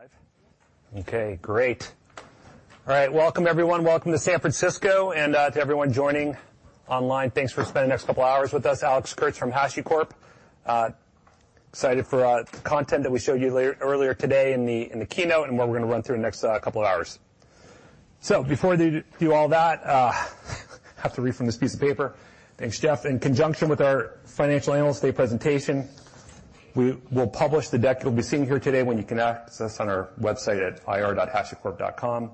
Live? Okay, great. All right. Welcome, everyone. Welcome to San Francisco, and to everyone joining online, thanks for spending the next couple of hours with us. Alex Kurtz from HashiCorp. Excited for the content that we showed you earlier today in the keynote and what we're going to run through in the next couple of hours. So before we do all that, I have to read from this piece of paper. Thanks, Jeff. In conjunction with our financial analyst day presentation, we will publish the deck you'll be seeing here today when you connect with us on our website at ir.hashicorp.com.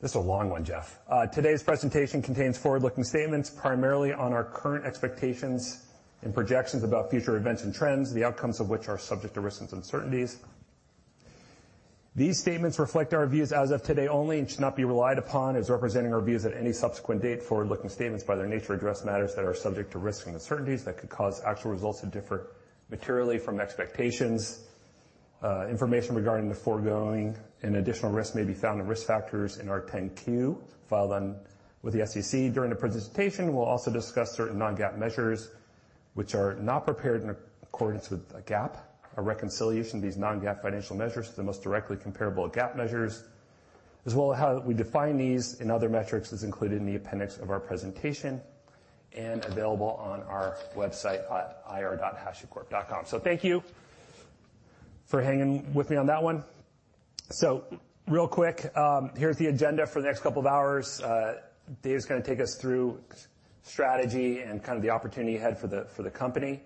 This is a long one, Jeff. Today's presentation contains forward-looking statements, primarily on our current expectations and projections about future events and trends, the outcomes of which are subject to risks and uncertainties. These statements reflect our views as of today only and should not be relied upon as representing our views at any subsequent date. Forward-looking statements, by their nature, address matters that are subject to risks and uncertainties that could cause actual results to differ materially from expectations. Information regarding the foregoing and additional risks may be found in risk factors in our 10-Q filed with the SEC. During the presentation, we'll also discuss certain non-GAAP measures, which are not prepared in accordance with GAAP. A reconciliation of these non-GAAP financial measures to the most directly comparable GAAP measures, as well as how we define these and other metrics, is included in the appendix of our presentation and available on our website at ir.hashicorp.com. Thank you for hanging with me on that one. Real quick, here's the agenda for the next couple of hours. Dave's gonna take us through strategy and kind of the opportunity ahead for the, for the company.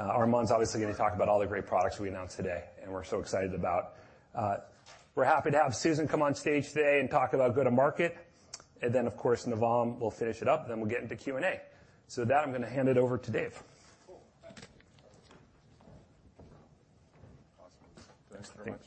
Armon's obviously going to talk about all the great products we announced today, and we're so excited about. We're happy to have Susan come on stage today and talk about go-to-market. And then, of course, Navam will finish it up, and then we'll get into Q&A. So with that, I'm going to hand it over to Dave. Cool. Awesome. Thanks very much.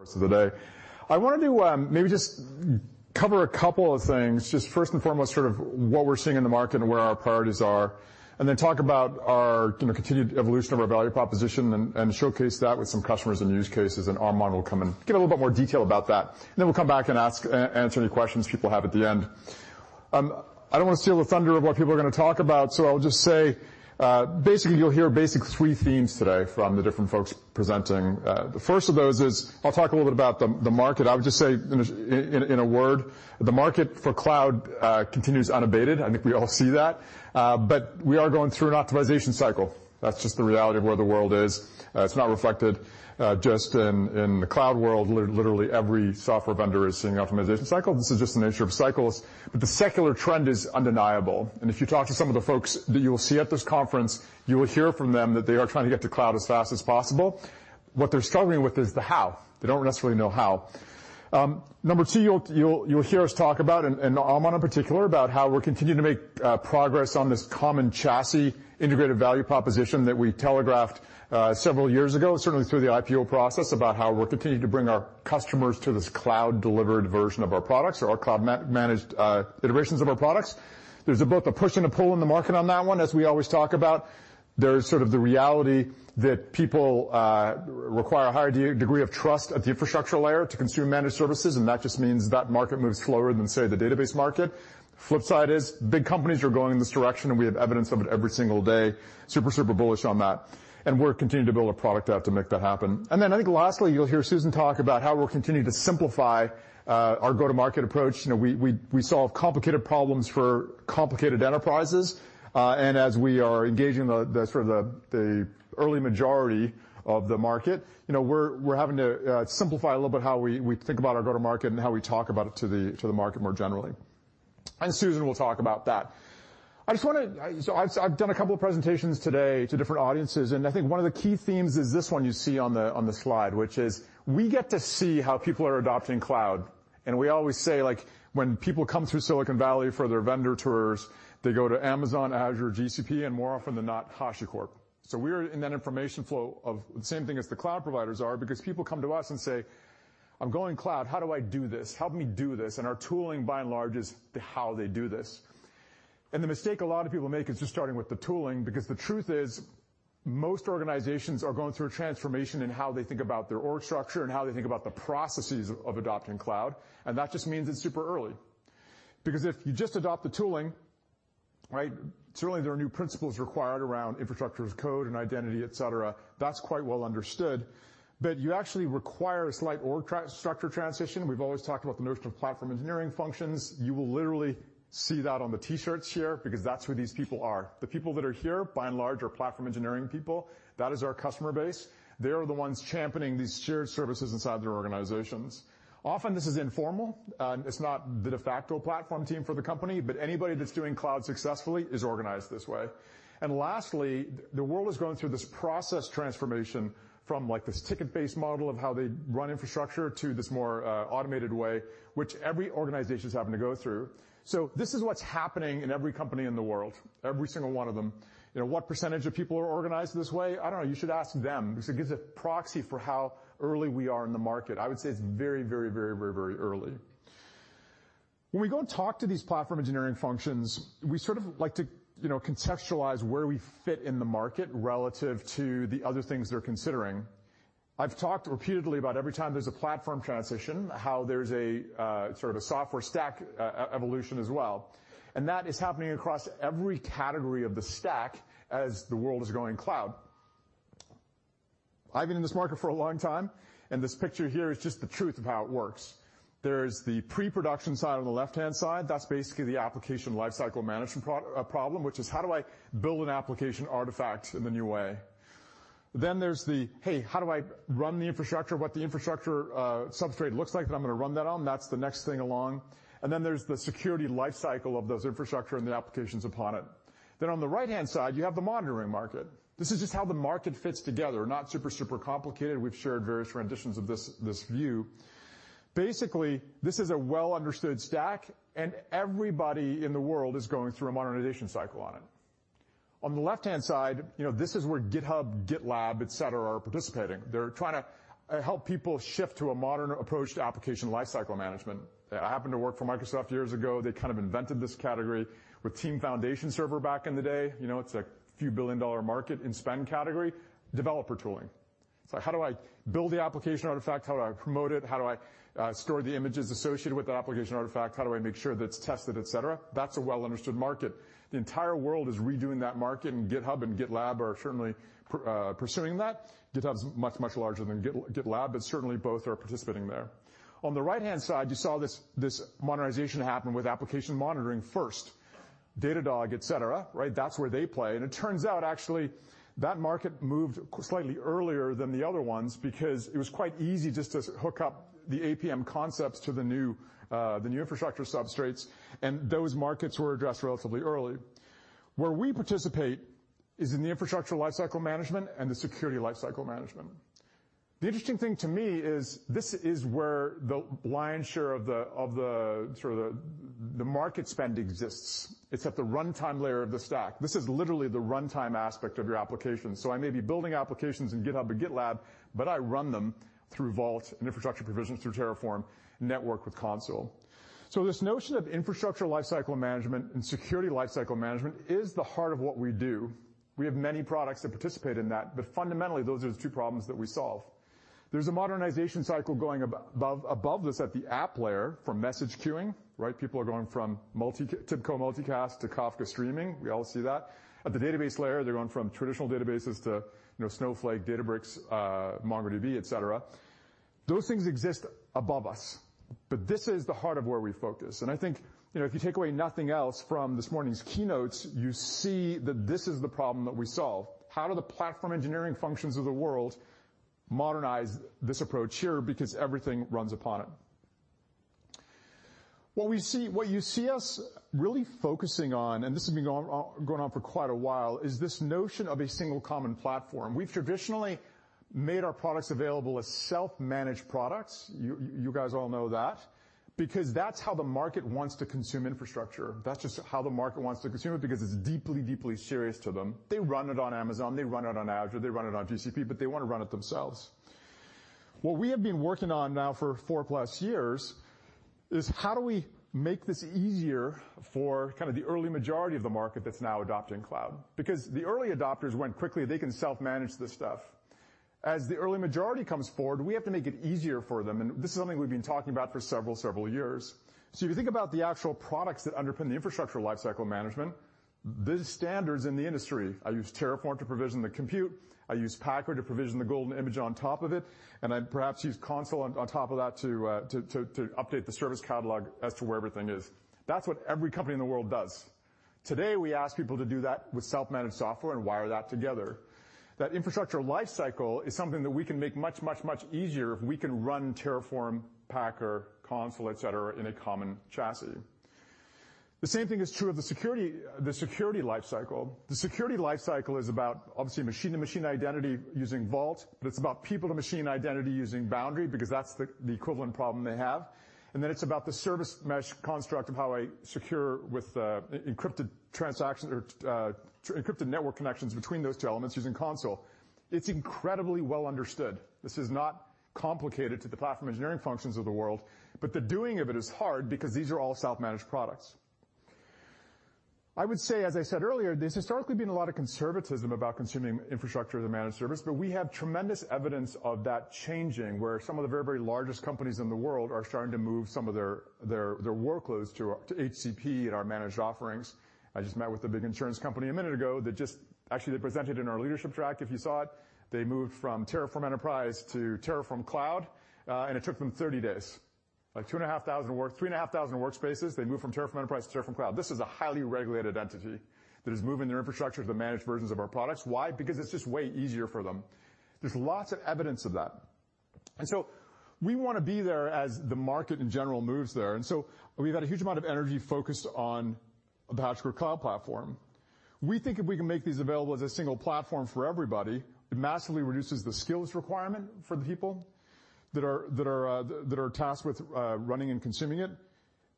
Thank you. Course of the day. I wanted to maybe just cover a couple of things. Just first and foremost, sort of what we're seeing in the market and where our priorities are, and then talk about our, you know, continued evolution of our value proposition and, you know, showcase that with some customers and use cases, and Armon will come in, give a little bit more detail about that. We'll come back and answer any questions people have at the end. I don't want to steal the thunder of what people are going to talk about, so I'll just say, basically, you'll hear basically three themes today from the different folks presenting. The first of those is I'll talk a little bit about the market. I would just say in a word, the market for cloud continues unabated. I think we all see that, but we are going through an optimization cycle. That's just the reality of where the world is. It's not reflected just in the cloud world. Literally, every software vendor is seeing an optimization cycle. This is just the nature of cycles, but the secular trend is undeniable, and if you talk to some of the folks that you will see at this conference, you will hear from them that they are trying to get to cloud as fast as possible. What they're struggling with is the how. They don't necessarily know how. Number two, you'll hear us talk about, and Armon in particular, about how we're continuing to make progress on this common chassis integrated value proposition that we telegraphed several years ago. Certainly through the IPO process, about how we're continuing to bring our customers to this cloud-delivered version of our products or our cloud-managed iterations of our products. There's both a push and a pull in the market on that one, as we always talk about. There's sort of the reality that people require a higher degree of trust at the infrastructure layer to consume managed services, and that just means that market moves slower than, say, the database market. Flip side is big companies are going in this direction, and we have evidence of it every single day. Super, super bullish on that, and we're continuing to build a product out to make that happen. I think lastly, you'll hear Susan talk about how we're continuing to simplify, you know, our go-to-market approach. You know, we solve complicated problems for complicated enterprises. And as we are engaging the, the, sort of the, the early majority of the market, you know, we're, we're having to simplify a little bit how we, we think about our go-to-market and how we talk about it to the, to the market more generally. Susan will talk about that. I just want to... I've done a couple of presentations today to different audiences, and I think one of the key themes is this one you see on the slide, which is we get to see how people are adopting cloud. We always say, like, when people come through Silicon Valley for their vendor tours, they go to Amazon, Azure, GCP, and more often than not, HashiCorp. So we're in that information flow of the same thing as the cloud providers are, because people come to us and say, "I'm going cloud. How do I do this? Help me do this." And our tooling, by and large, is the how they do this. And the mistake a lot of people make is just starting with the tooling, because the truth is, most organizations are going through a transformation in how they think about their org structure and how they think about the processes of adopting cloud, and that just means it's super early. Because if you just adopt the tooling, right, certainly there are new principles required around infrastructure as code and identity, et cetera. That's quite well understood. But you actually require a slight org structure transition. We've always talked about the notion of platform engineering functions. You will literally see that on the t-shirts here, because that's who these people are. The people that are here, by and large, are platform engineering people. That is our customer base. They are the ones championing these shared services inside their organizations. Often this is informal. It's not the de facto platform team for the company, but anybody that's doing cloud successfully is organized this way. And lastly, the world is going through this process transformation from, like, this ticket-based model of how they run infrastructure to this more, automated way, which every organization is having to go through. So this is what's happening in every company in the world, every single one of them. You know, what percentage of people are organized this way? I don't know. You should ask them, because it gives a proxy for how early we are in the market. I would say it's very, very, very, very, very early. When we go and talk to these platform engineering functions, we sort of like to, you know, contextualize where we fit in the market relative to the other things they're considering. I've talked repeatedly about every time there's a platform transition, how there's a sort of a software stack evolution as well, and that is happening across every category of the stack as the world is going cloud. I've been in this market for a long time, and this picture here is just the truth of how it works. There's the pre-production side on the left-hand side. That's basically the application lifecycle management problem, which is: How do I build an application artifact in the new way? Then there's the, "Hey, how do I run the infrastructure, what the infrastructure substrate looks like that I'm going to run that on?" That's the next thing along. Then there's the Security Lifecycle of those infrastructure and the applications upon it. Then on the right-hand side, you have the monitoring market. This is just how the market fits together. Not super, super complicated. We've shared various renditions of this, this view. Basically, this is a well-understood stack, and everybody in the world is going through a modernization cycle on it. On the left-hand side, you know, this is where GitHub, GitLab, et cetera, are participating. They're trying to help people shift to a modern approach to application lifecycle management. I happened to work for Microsoft years ago. They kind of invented this category with Team Foundation Server back in the day. You know, it's a few billion-dollar market in spend category, developer tooling. It's like, how do I build the application artifact? How do I promote it? How do I store the images associated with the application artifact? How do I make sure that it's tested, et cetera? That's a well-understood market. The entire world is redoing that market, and GitHub and GitLab are certainly pursuing that. GitHub is much, much larger than GitLab, but certainly both are participating there. On the right-hand side, you saw this, this modernization happen with application monitoring first. Datadog, et cetera, right? That's where they play, and it turns out actually, that market moved slightly earlier than the other ones because it was quite easy just to hook up the APM concepts to the new, the new infrastructure substrates, and those markets were addressed relatively early. Where we participate is in the Infrastructure Lifecycle Management and the Security Lifecycle Management. The interesting thing to me is this is where the lion's share of the, of the, sort of the, the market spend exists. It's at the runtime layer of the stack. This is literally the runtime aspect of your application. I may be building applications in GitHub or GitLab, but I run them through Vault and infrastructure provisions through Terraform, network with Consul. This notion of Infrastructure Lifecycle Management and Security Lifecycle Management is the heart of what we do. We have many products that participate in that, but fundamentally, those are the two problems that we solve. There's a modernization cycle going above, above this at the app layer for message queuing, right? People are going from multi-- TIBCO Multicast to Kafka Streaming. We all see that. At the database layer, they're going from traditional databases to, you know, Snowflake, Databricks, MongoDB, et cetera. Those things exist above us, but this is the heart of where we focus. I think, you know, if you take away nothing else from this morning's keynotes, you see that this is the problem that we solve. How do the platform engineering functions of the world modernize this approach here? Because everything runs upon it. What you see us really focusing on, and this has been going on for quite a while, is this notion of a single common platform. We've traditionally made our products available as self-managed products. You, you guys all know that. Because that's how the market wants to consume infrastructure. That's just how the market wants to consume it, because it's deeply, deeply serious to them. They run it on Amazon, they run it on Azure, they run it on GCP, but they want to run it themselves. What we have been working on now for 4+ years is how do we make this easier for kind of the early majority of the market that's now adopting cloud? Because the early adopters went quickly, they can self-manage this stuff. As the early majority comes forward, we have to make it easier for them, and this is something we've been talking about for several, several years. If you think about the actual products that underpin the Infrastructure Lifecycle Management, the standards in the industry, I use Terraform to provision the compute, I use Packer to provision the golden image on top of it, and I perhaps use Consul on top of that to, to update the service catalog as to where everything is. That's what every company in the world does. Today, we ask people to do that with self-managed software and wire that together. That Infrastructure Lifecycle is something that we can make much, much, much easier if we can run Terraform, Packer, Consul, et cetera, in a common chassis. The same thing is true of the security, the Security Lifecycle. The Security Lifecycle is about obviously machine to machine identity using Vault, but it's about people to machine identity using Boundary, because that's the equivalent problem they have. And then it's about the service mesh construct of how I secure with encrypted transactions or encrypted network connections between those two elements using Consul. It's incredibly well understood. This is not complicated to the platform engineering functions of the world, but the doing of it is hard because these are all self-managed products. I would say, as I said earlier, there's historically been a lot of conservatism about consuming infrastructure as a managed service, but we have tremendous evidence of that changing, where some of the very, very largest companies in the world are starting to move some of their workloads to HCP and our managed offerings. I just met with a big insurance company a minute ago that just... Actually, they presented in our leadership track, if you saw it. They moved from Terraform Enterprise to Terraform Cloud, and it took them 30 days. Like 2,500 work—3,500 workspaces, they moved from Terraform Enterprise to Terraform Cloud. This is a highly regulated entity that is moving their infrastructure to the managed versions of our products. Why? Because it's just way easier for them. There's lots of evidence of that. We want to be there as the market in general moves there, and we've had a huge amount of energy focused on the HashiCorp Cloud Platform. We think if we can make these available as a single platform for everybody, it massively reduces the skills requirement for the people that are, that are, that are tasked with, running and consuming it.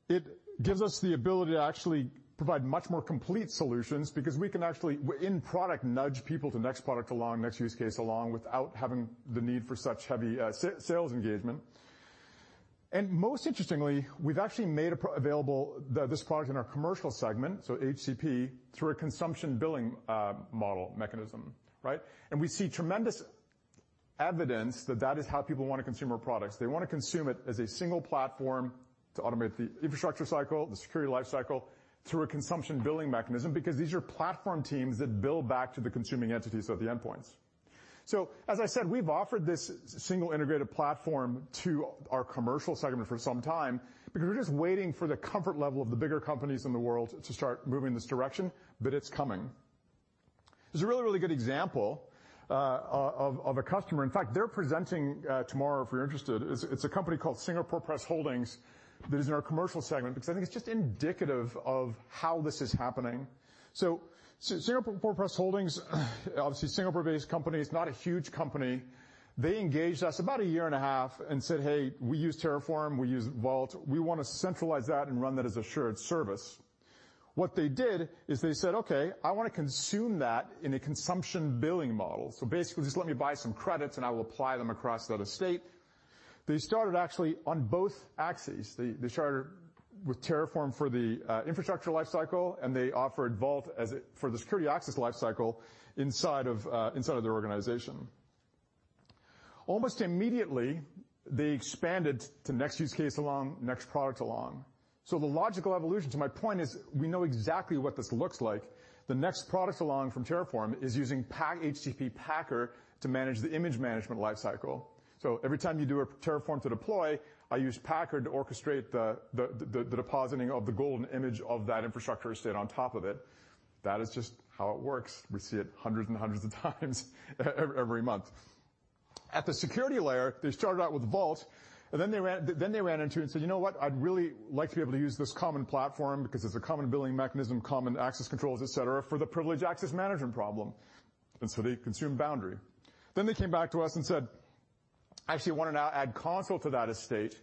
It gives us the ability to actually provide much more complete solutions because we can actually, in product, nudge people to next product along, next use case along, without having the need for such heavy sales engagement. And most interestingly, we've actually made available this product in our commercial segment, so HCP, through a consumption billing model mechanism, right? And we see tremendous evidence that that is how people want to consume our products. They want to consume it as a single platform to automate the infrastructure cycle, the security life cycle, through a consumption billing mechanism, because these are platform teams that bill back to the consuming entities of the endpoints. So as I said, we've offered this single integrated platform to our commercial segment for some time, because we're just waiting for the comfort level of the bigger companies in the world to start moving this direction, but it's coming. There's a really, really good example of a customer. In fact, they're presenting tomorrow, if you're interested. It's a company called Singapore Press Holdings that is in our commercial segment, because I think it's just indicative of how this is happening. So, Singapore Press Holdings, obviously Singapore-based company, it's not a huge company. They engaged us about a year and a half and said: Hey, we use Terraform, we use Vault. We want to centralize that and run that as a SaaS service. What they did is they said, "Okay, I want to consume that in a consumption billing model. So basically, just let me buy some credits and I will apply them across the other state." They started actually on both axes. They started with Terraform for the infrastructure life cycle, and they offered Vault as a for the security access life cycle inside of inside of their organization. Almost immediately, they expanded to next use case along, next product along. So the logical evolution to my point is, we know exactly what this looks like. The next product along from Terraform is using HCP Packer to manage the image management life cycle. So every time you do a Terraform to deploy, I use Packer to orchestrate the depositing of the golden image of that infrastructure set on top of it. That is just how it works. We see it hundreds and hundreds of times every month. At the security layer, they started out with Vault, and then they ran, then they ran into it and said, "You know what? I'd really like to be able to use this common platform because it's a common billing mechanism, common access controls, et cetera, for the privileged access management problem." They consumed Boundary. They came back to us and said, "I actually want to now add Consul to that estate,"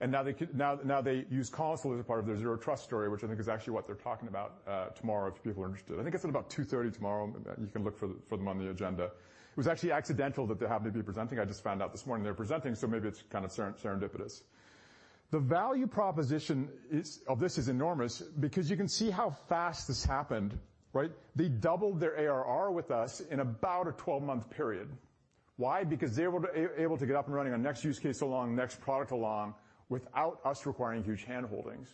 and now they now use Consul as a part of their zero trust story, which I think is actually what they're talking about tomorrow, if people are interested. I think it's at about 2:30 P.M tomorrow. You can look for them on the agenda. It was actually accidental that they happened to be presenting. I just found out this morning they're presenting, so maybe it's kind of serendipitous. The value proposition is, of this is enormous because you can see how fast this happened, right? They doubled their ARR with us in about a 12-month period. Why? Because they were able to get up and running on next use case along, next product along, without us requiring huge handholdings.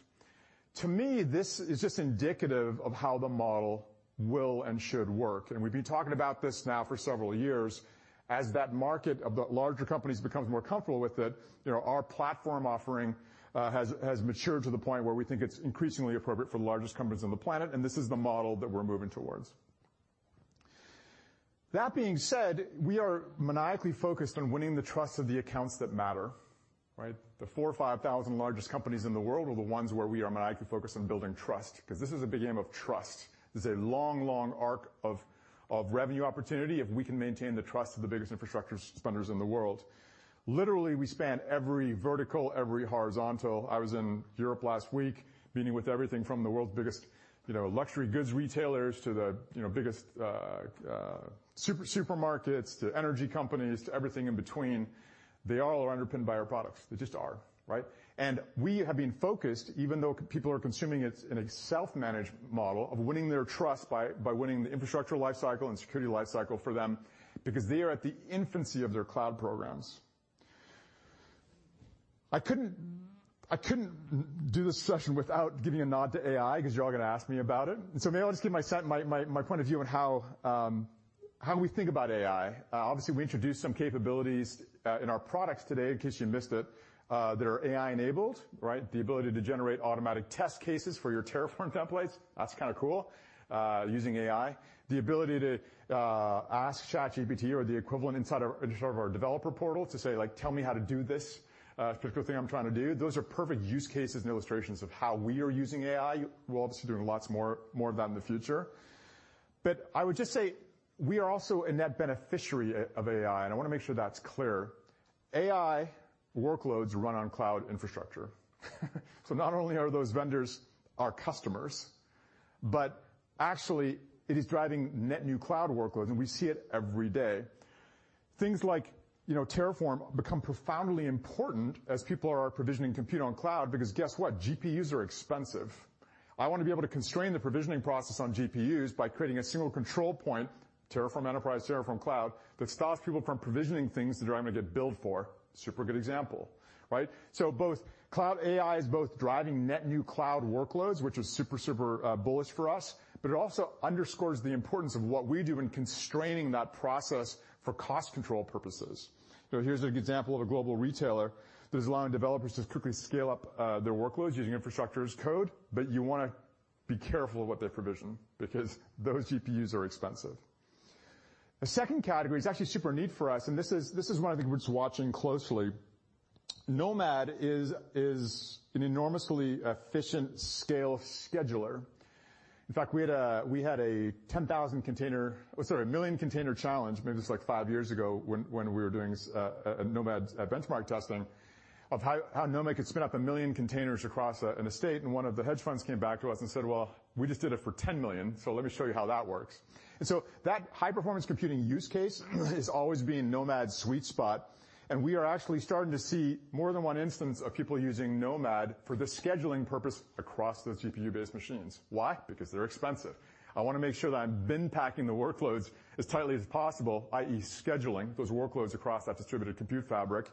To me, this is just indicative of how the model will and should work, and we've been talking about this now for several years. As that market of the larger companies becomes more comfortable with it, you know, our platform offering has matured to the point where we think it's increasingly appropriate for the largest companies on the planet, and this is the model that we're moving towards. That being said, we are maniacally focused on winning the trust of the accounts that matter, right? The 4,000 or 5,000 thousand largest companies in the world are the ones where we are maniacally focused on building trust, because this is a big game of trust. This is a long, long arc of revenue opportunity if we can maintain the trust of the biggest infrastructure spenders in the world. Literally, we span every vertical, every horizontal. I was in Europe last week, meeting with everything from the world's biggest, you know, luxury goods retailers to the, you know, biggest supermarkets, to energy companies, to everything in between. They all are underpinned by our products. They just are, right? We have been focused, even though people are consuming it in a self-managed model, of winning their trust by winning the infrastructure life cycle and security life cycle for them, because they are at the infancy of their cloud programs. I couldn't do this session without giving a nod to AI, because you're all going to ask me about it. So maybe I'll just give my point of view on how we think about AI. Obviously, we introduced some capabilities in our products today, in case you missed it, that are AI-enabled, right? The ability to generate automatic test cases for your Terraform templates. That's kind of cool, using AI. The ability to ask ChatGPT or the equivalent inside of our developer portal to say, like, "Tell me how to do this particular thing I'm trying to do." Those are perfect use cases and illustrations of how we are using AI. We'll obviously be doing lots more of that in the future. But I would just say we are also a net beneficiary of AI, and I want to make sure that's clear. AI workloads run on cloud infrastructure. So not only are those vendors our customers, but actually it is driving net new cloud workloads, and we see it every day. Things like, you know, Terraform become profoundly important as people are provisioning compute on cloud, because guess what? GPUs are expensive. I want to be able to constrain the provisioning process on GPUs by creating a single control point, Terraform Enterprise, Terraform Cloud, that stops people from provisioning things that are going to get billed for. Super good example, right? So both cloud AI is both driving net new cloud workloads, which is super, super, bullish for us, but it also underscores the importance of what we do in constraining that process for cost control purposes. Here's an example of a global retailer that is allowing developers to quickly scale up their workloads using infrastructure as code, but you want to be careful of what they provision, because those GPUs are expensive. The second category is actually super neat for us, and this is one I think we're watching closely. Nomad is an enormously efficient scale scheduler. In fact, we had a 10,000 container—oh, sorry, a 1 million container challenge, maybe this was like five years ago, when we were doing a Nomad benchmark testing, of how Nomad could spin up 1 million containers across an estate, and one of the hedge funds came back to us and said: Well, we just did it for 10 million, so let me show you how that works. That high-performance computing use case has always been Nomad's sweet spot, and we are actually starting to see more than one instance of people using Nomad for the scheduling purpose across those GPU-based machines. Why? Because they're expensive. I want to make sure that I'm bin packing the workloads as tightly as possible, i.e., scheduling those workloads across that distributed compute fabric,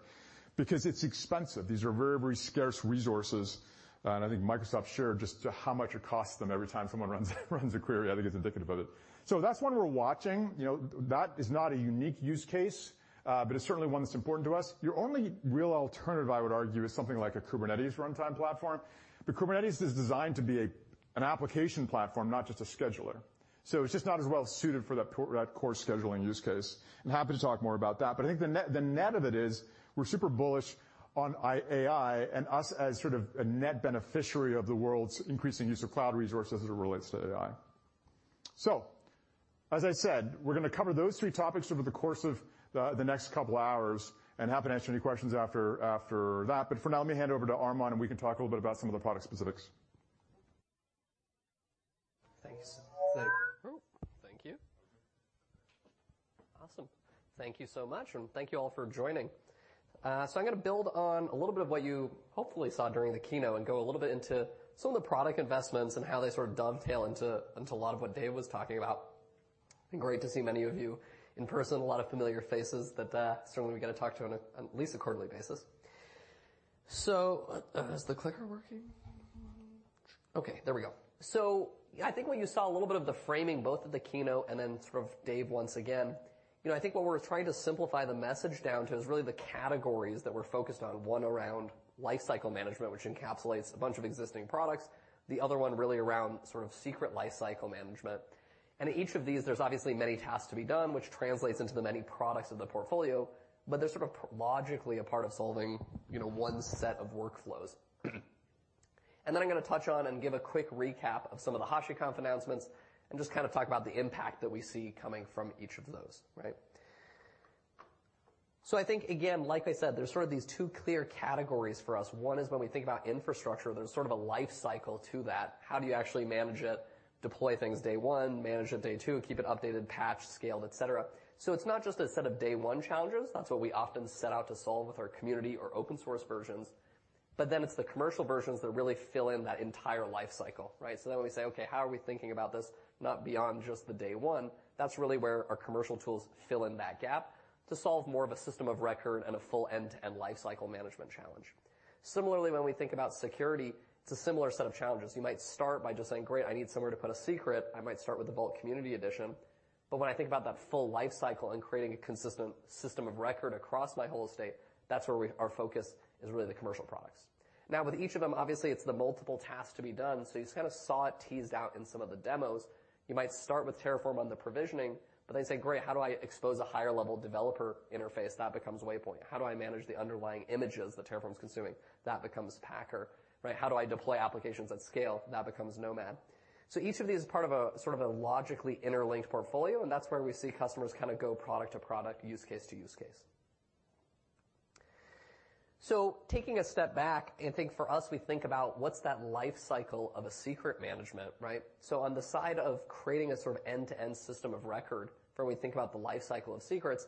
because it's expensive. These are very, very scarce resources, and I think Microsoft shared just how much it costs them every time someone runs a query. I think it's indicative of it. So that's one we're watching. You know, that is not a unique use case, but it's certainly one that's important to us. Your only real alternative, I would argue, is something like a Kubernetes runtime platform. But Kubernetes is designed to be a, an application platform, not just a scheduler, so it's just not as well suited for that core scheduling use case. I'm happy to talk more about that, but I think the net, the net of it is, we're super bullish on AI and us as sort of a net beneficiary of the world's increasing use of cloud resources as it relates to AI. So as I said, we're gonna cover those three topics over the course of the, the next couple of hours, and happy to answer any questions after, after that. But for now, let me hand it over to Armon, and we can talk a little bit about some of the product specifics. Thanks. Thank you. Thank you. Awesome. Thank you so much, and thank you all for joining. I'm gonna build on a little bit of what you hopefully saw during the keynote and go a little bit into some of the product investments and how they sort of dovetail into a lot of what Dave was talking about. Great to see many of you in person. A lot of familiar faces that certainly we get to talk to on at least a quarterly basis. Is the clicker working? Okay, there we go. I think what you saw a little bit of the framing, both of the keynote and then sort of Dave, once again, you know, I think what we're trying to simplify the message down to is really the categories that we're focused on, one around lifecycle management, which encapsulates a bunch of existing products, the other one really around sort of secret lifecycle management. Each of these, there's obviously many tasks to be done, which translates into the many products of the portfolio, but they're sort of logically a part of solving, you know, one set of workflows. I'm gonna touch on and give a quick recap of some of the HashiConf announcements and just kind of talk about the impact that we see coming from each of those, right? I think, again, like I said, there's sort of these two clear categories for us. One is when we think about infrastructure, there's sort of a life cycle to that. How do you actually manage it, deploy things day one, manage it day two, keep it updated, patched, scaled, et cetera? So it's not just a set of day one challenges. That's what we often set out to solve with our community or open source versions, but then it's the commercial versions that really fill in that entire life cycle, right? So then we say, okay, how are we thinking about this not beyond just the day one? That's really where our commercial tools fill in that gap to solve more of a system of record and a full end-to-end life cycle management challenge. Similarly, when we think about security, it's a similar set of challenges. You might start by just saying, "Great, I need somewhere to put a secret." I might start with the Vault community edition. But when I think about that full life cycle and creating a consistent system of record across my whole estate, that's where we, our focus is really the commercial products. Now, with each of them, obviously, it's the multiple tasks to be done, so you just kind of saw it teased out in some of the demos. You might start with Terraform on the provisioning, but then say, "Great, how do I expose a higher-level developer interface?" That becomes Waypoint. How do I manage the underlying images that Terraform is consuming? That becomes Packer, right? How do I deploy applications at scale? That becomes Nomad. Each of these is part of a, sort of a logically interlinked portfolio, and that's where we see customers kind of go product to product, use case to use case. Taking a step back, I think for us, we think about what's that life cycle of a secret management, right? On the side of creating a sort of end-to-end system of record, when we think about the life cycle of secrets,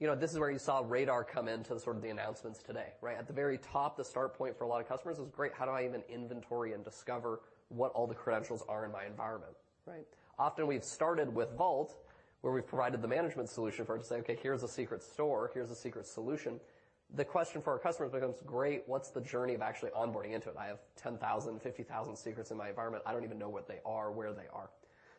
you know, this is where you saw Radar come into sort of the announcements today, right? At the very top, the start point for a lot of customers is: Great, how do I even inventory and discover what all the credentials are in my environment, right? Often we've started with Vault, where we've provided the management solution for it to say, "Okay, here's a secret store. Here's a secret solution." The question for our customers becomes: Great, what's the journey of actually onboarding into it? I have 10,000, 50,000 secrets in my environment. I don't even know what they are, where they are.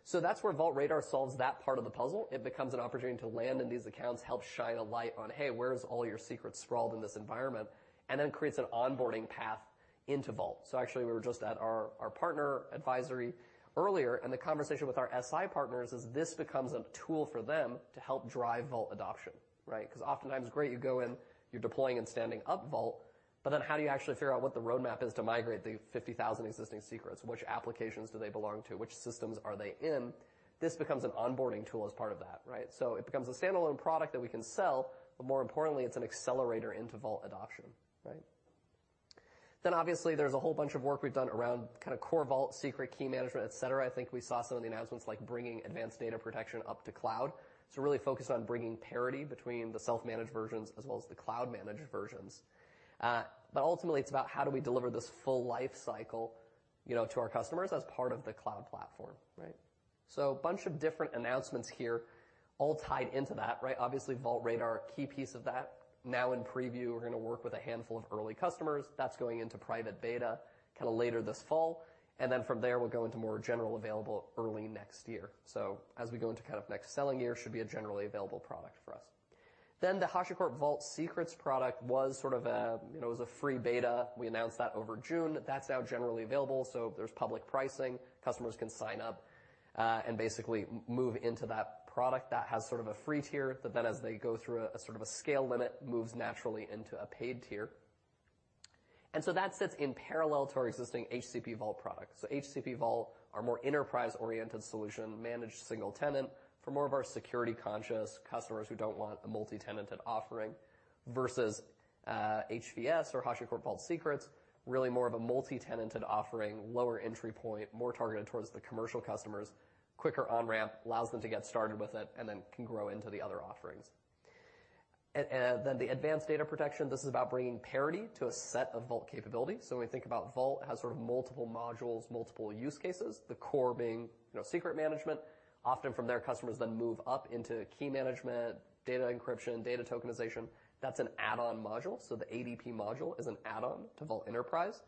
So that's where Vault Radar solves that part of the puzzle. It becomes an opportunity to land in these accounts, help shine a light on, hey, where's all your secrets sprawled in this environment, and then creates an onboarding path into Vault. So actually, we were just at our, our partner advisory earlier, and the conversation with our SI partners is this becomes a tool for them to help drive Vault adoption, right? Because oftentimes, great, you go in, you're deploying and standing up Vault, but then how do you actually figure out what the roadmap is to migrate the 50,000 existing secrets? Which applications do they belong to? Which systems are they in? This becomes an onboarding tool as part of that, right? It becomes a standalone product that we can sell, but more importantly, it's an accelerator into Vault adoption, right? Obviously, there's a whole bunch of work we've done around kind of core Vault, secret key management, et cetera. I think we saw some of the announcements, like bringing advanced data protection up to cloud. Really focused on bringing parity between the self-managed versions as well as the cloud-managed versions. Ultimately, it's about how do we deliver this full life cycle, you know, to our customers as part of the cloud platform, right? A bunch of different announcements here, all tied into that, right? Obviously, Vault Radar, key piece of that. Now in preview, we're gonna work with a handful of early customers. That's going into private beta kinda later this fall, and from there, we'll go into more general available early next year. As we go into kind of next selling year, should be a generally available product for us. The HashiCorp Vault Secrets product was sort of a, you know, it was a free beta. We announced that over June. That's now generally available, so there's public pricing. Customers can sign up, and basically move into that product. That has sort of a free tier, but then as they go through a, sort of a scale limit, moves naturally into a paid tier. That sits in parallel to our existing HCP Vault product. So HCP Vault, our more enterprise-oriented solution, managed single tenant for more of our security-conscious customers who don't want a multi-tenant offering, versus HVS or HashiCorp Vault Secrets, really more of a multi-tenant offering, lower entry point, more targeted towards the commercial customers, quicker on-ramp, allows them to get started with it and then can grow into the other offerings. Then the Advanced Data Protection, this is about bringing parity to a set of Vault capabilities. So when we think about Vault, it has sort of multiple modules, multiple use cases, the core being, you know, secret management. Often from there, customers then move up into key management, data encryption, data tokenization. That's an add-on module, so the ADP module is an add-on to Vault Enterprise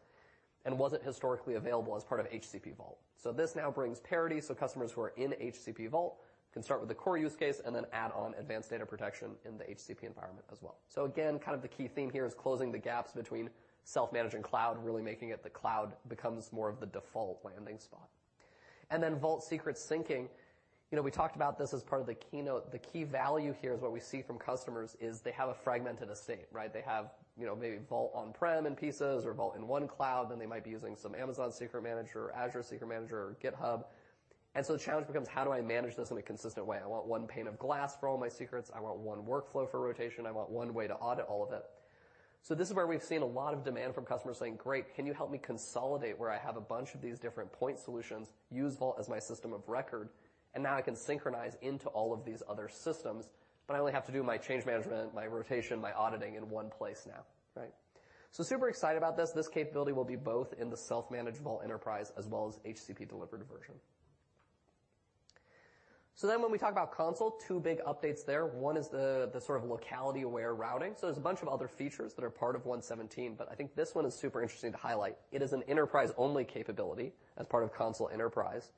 and wasn't historically available as part of HCP Vault. So this now brings parity, so customers who are in HCP Vault can start with the core use case and then add on advanced data protection in the HCP environment as well. So again, kind of the key theme here is closing the gaps between self-managing cloud, really making it the cloud becomes more of the default landing spot. And then Vault Secrets Sync, you know, we talked about this as part of the keynote. The key value here is what we see from customers is they have a fragmented estate, right? They have, you know, maybe Vault on-prem in pieces or Vault in one cloud, then they might be using some Amazon Secrets Manager or Azure Secrets Manager or GitHub. And so the challenge becomes: How do I manage this in a consistent way? I want one pane of glass for all my secrets. I want one workflow for rotation. I want one way to audit all of it. So this is where we've seen a lot of demand from customers saying: Great, can you help me consolidate where I have a bunch of these different point solutions, use Vault as my system of record, and now I can synchronize into all of these other systems, but I only have to do my change management, my rotation, my auditing in one place now, right? So super excited about this. This capability will be both in the self-managed Vault Enterprise as well as HCP-delivered version. So then when we talk about Consul, two big updates there. One is the sort of locality-aware routing. So there's a bunch of other features that are part of 1.17, but I think this one is super interesting to highlight. It is an enterprise-only capability as part of Consul Enterprise,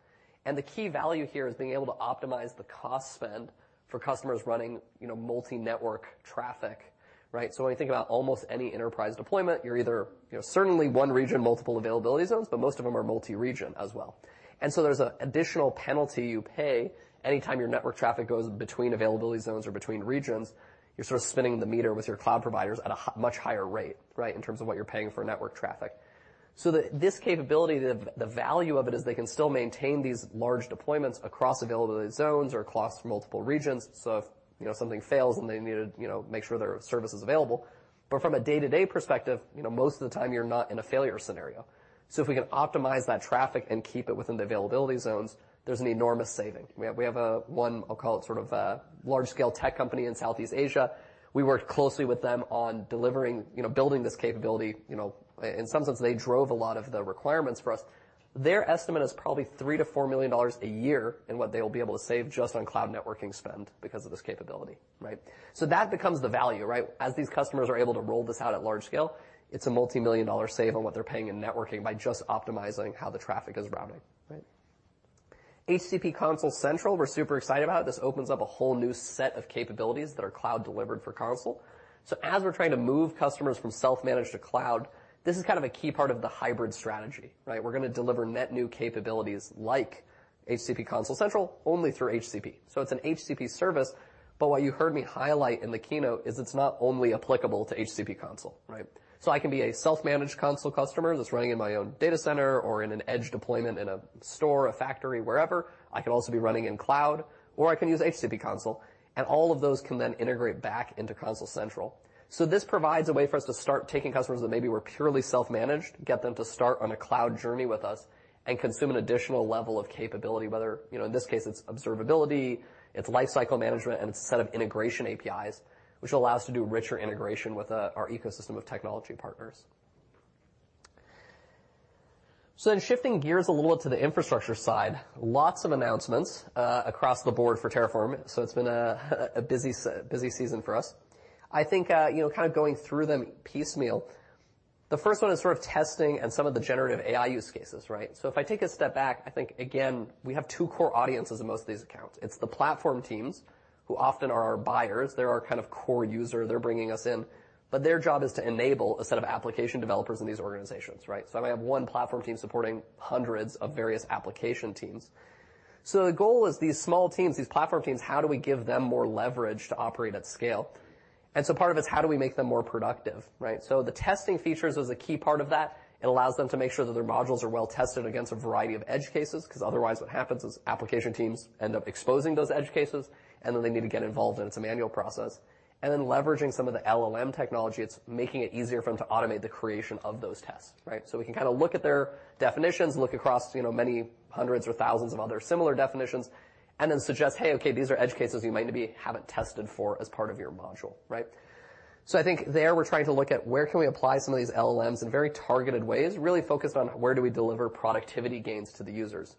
and the key value here is being able to optimize the cost spend for customers running, you know, multi-network traffic, right? So when you think about almost any enterprise deployment, you're either, you know, certainly one region, multiple availability zones, but most of them are multi-region as well. And so there's an additional penalty you pay anytime your network traffic goes between availability zones or between regions. You're sort of spinning the meter with your cloud providers at a much higher rate, right, in terms of what you're paying for network traffic. So this capability, the value of it, is they can still maintain these large deployments across availability zones or across multiple regions. So if, you know, something fails, and they need to, you know, make sure their service is available. But from a day-to-day perspective, you know, most of the time, you're not in a failure scenario. So if we can optimize that traffic and keep it within the availability zones, there's an enormous saving. We have, we have, one, I'll call it sort of a large-scale tech company in Southeast Asia. We worked closely with them on delivering, you know, building this capability. You know, in some sense, they drove a lot of the requirements for us. Their estimate is probably $3 million-$4 million a year in what they will be able to save just on cloud networking spend because of this capability, right? So that becomes the value, right? As these customers are able to roll this out at large scale, it's a multimillion-dollar save on what they're paying in networking by just optimizing how the traffic is routing, right? HCP Consul Central, we're super excited about. This opens up a whole new set of capabilities that are cloud-delivered for Consul. As we're trying to move customers from self-managed to cloud, this is kind of a key part of the hybrid strategy, right? We're gonna deliver net new capabilities like HCP Consul Central only through HCP. It's an HCP service, but what you heard me highlight in the keynote is it's not only applicable to HCP Consul, right? I can be a self-managed Consul customer that's running in my own data center or in an edge deployment in a store, a factory, wherever. I can also be running in cloud, or I can use HCP Consul, and all of those can then integrate back into Consul Central. This provides a way for us to start taking customers that maybe were purely self-managed, get them to start on a cloud journey with us, and consume an additional level of capability, whether, you know, in this case, it's observability, it's lifecycle management, and a set of integration APIs, which allow us to do richer integration with, you know, our ecosystem of technology partners. Shifting gears a little bit to the infrastructure side, lots of announcements across the board for Terraform. It's been a busy season for us. I think, you know, kind of going through them piecemeal, the first one is sort of testing and some of the generative AI use cases, right? If I take a step back, I think, again, we have two core audiences in most of these accounts. It's the platform teams, who often are our buyers. They're our kind of core user. They're bringing us in, but their job is to enable a set of application developers in these organizations, right? So I may have one platform team supporting hundreds of various application teams. So the goal is these small teams, these platform teams, how do we give them more leverage to operate at scale? And so part of it is how do we make them more productive, right? So the testing features is a key part of that. It allows them to make sure that their modules are well-tested against a variety of edge cases, 'cause otherwise, what happens is application teams end up exposing those edge cases, and then they need to get involved, and it's a manual process. And then leveraging some of the LLM technology, it's making it easier for them to automate the creation of those tests, right? So we can kinda look at their definitions, look across, you know, many hundreds or thousands of other similar definitions, and then suggest, "Hey, okay, these are edge cases you might maybe haven't tested for as part of your module," right? So I think there, we're trying to look at where can we apply some of these LLMs in very targeted ways, really focused on where do we deliver productivity gains to the users.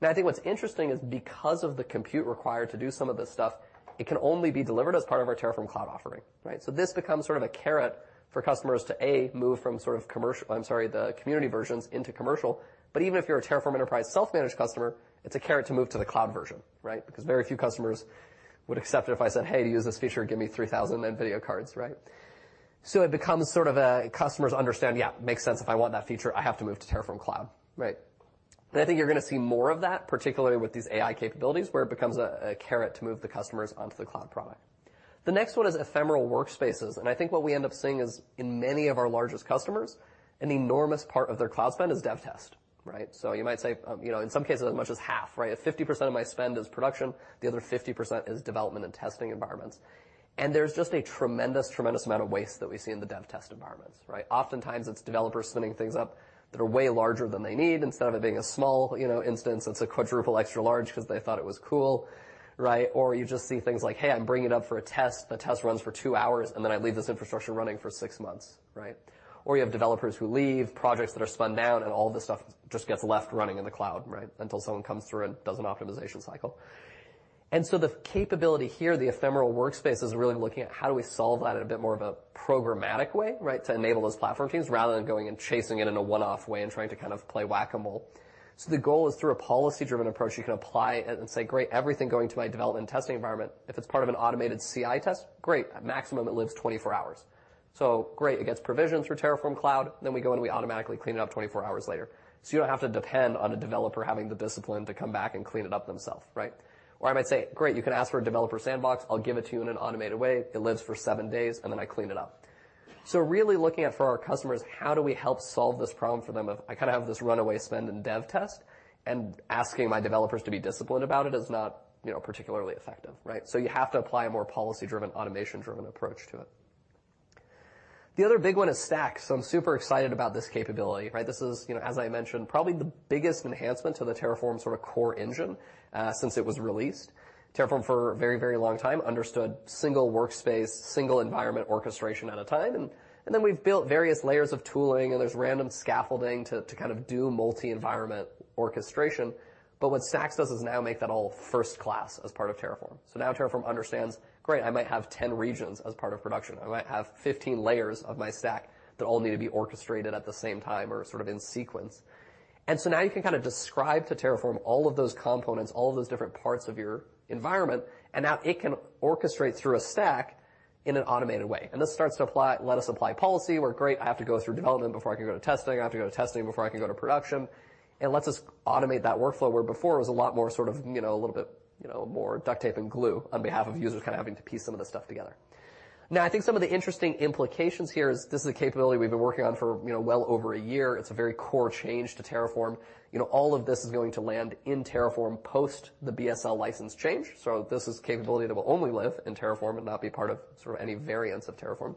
Now, I think what's interesting is because of the compute required to do some of this stuff, it can only be delivered as part of our Terraform Cloud offering, right? So this becomes sort of a carrot for customers to, A, move from sort of commercial... I'm sorry, the community versions into commercial, but even if you're a Terraform Enterprise self-managed customer, it's a carrot to move to the cloud version, right? Because very few customers would accept it if I said, "Hey, to use this feature, give me 3,000 NVIDIA cards," right? So it becomes sort of a customer's understanding. Yeah, makes sense. If I want that feature, I have to move to Terraform Cloud, right? And I think you're gonna see more of that, particularly with these AI capabilities, where it becomes a carrot to move the customers onto the cloud product. The next one is ephemeral workspaces, and I think what we end up seeing is, in many of our largest customers, an enormous part of their cloud spend is dev test, right? So you might say, you know, in some cases, as much as half, right? If 50% of my spend is production, the other 50% is development and testing environments, and there's just a tremendous, tremendous amount of waste that we see in the dev test environments, right? Oftentimes, it's developers spinning things up that are way larger than they need. Instead of it being a small, you know, instance, it's a quadruple extra large because they thought it was cool, right? Or you just see things like, "Hey, I'm bringing it up for a test." The test runs for 2 hours, and then I leave this infrastructure running for 6 months, right? Or you have developers who leave, projects that are spun down, and all this stuff just gets left running in the cloud, right? Until someone comes through and does an optimization cycle. So the capability here, the ephemeral workspace, is really looking at how do we solve that in a bit more of a programmatic way, right? To enable those platform teams, rather than going and chasing it in a one-off way and trying to kind of play Whack-A-Mole. So the goal is, through a policy-driven approach, you can apply it and say, "Great, everything going to my development and testing environment, if it's part of an automated CI test, great, at maximum, it lives 24 hours. So great, it gets provisioned through Terraform Cloud, then we go, and we automatically clean it up 24 hours later." So you don't have to depend on a developer having the discipline to come back and clean it up themselves, right? Or I might say, "Great, you can ask for a developer sandbox. I'll give it to you in an automated way. It lives for seven days, and then I clean it up." So really looking at, for our customers, how do we help solve this problem for them of, I kind of have this runaway spend in dev test, and asking my developers to be disciplined about it is not, you know, particularly effective, right? So you have to apply a more policy-driven, automation-driven approach to it. The other big one is Stacks, so I'm super excited about this capability, right? This is, you know, as I mentioned, probably the biggest enhancement to the Terraform sort of core engine, since it was released. Terraform, for a very, very long time, understood single workspace, single environment orchestration at a time, and then we've built various layers of tooling, and there's random scaffolding to kind of do multi-environment orchestration. But what Stacks does is now make that all first class as part of Terraform. So now Terraform understands, great, I might have 10 regions as part of production. I might have 15 layers of my stack that all need to be orchestrated at the same time or sort of in sequence. And so now you can kind of describe to Terraform all of those components, all of those different parts of your environment, and now it can orchestrate through a stack in an automated way. And this starts to apply—let us apply policy, where, great, I have to go through development before I can go to testing. I have to go to testing before I can go to production. It lets us automate that workflow, where before it was a lot more sort of, you know, a little bit, you know, more duct tape and glue on behalf of users kind of having to piece some of this stuff together. Now, I think some of the interesting implications here is this is a capability we've been working on for, you know, well over a year. It's a very core change to Terraform. You know, all of this is going to land in Terraform post the BSL license change, so this is capability that will only live in Terraform and not be part of sort of any variance of Terraform.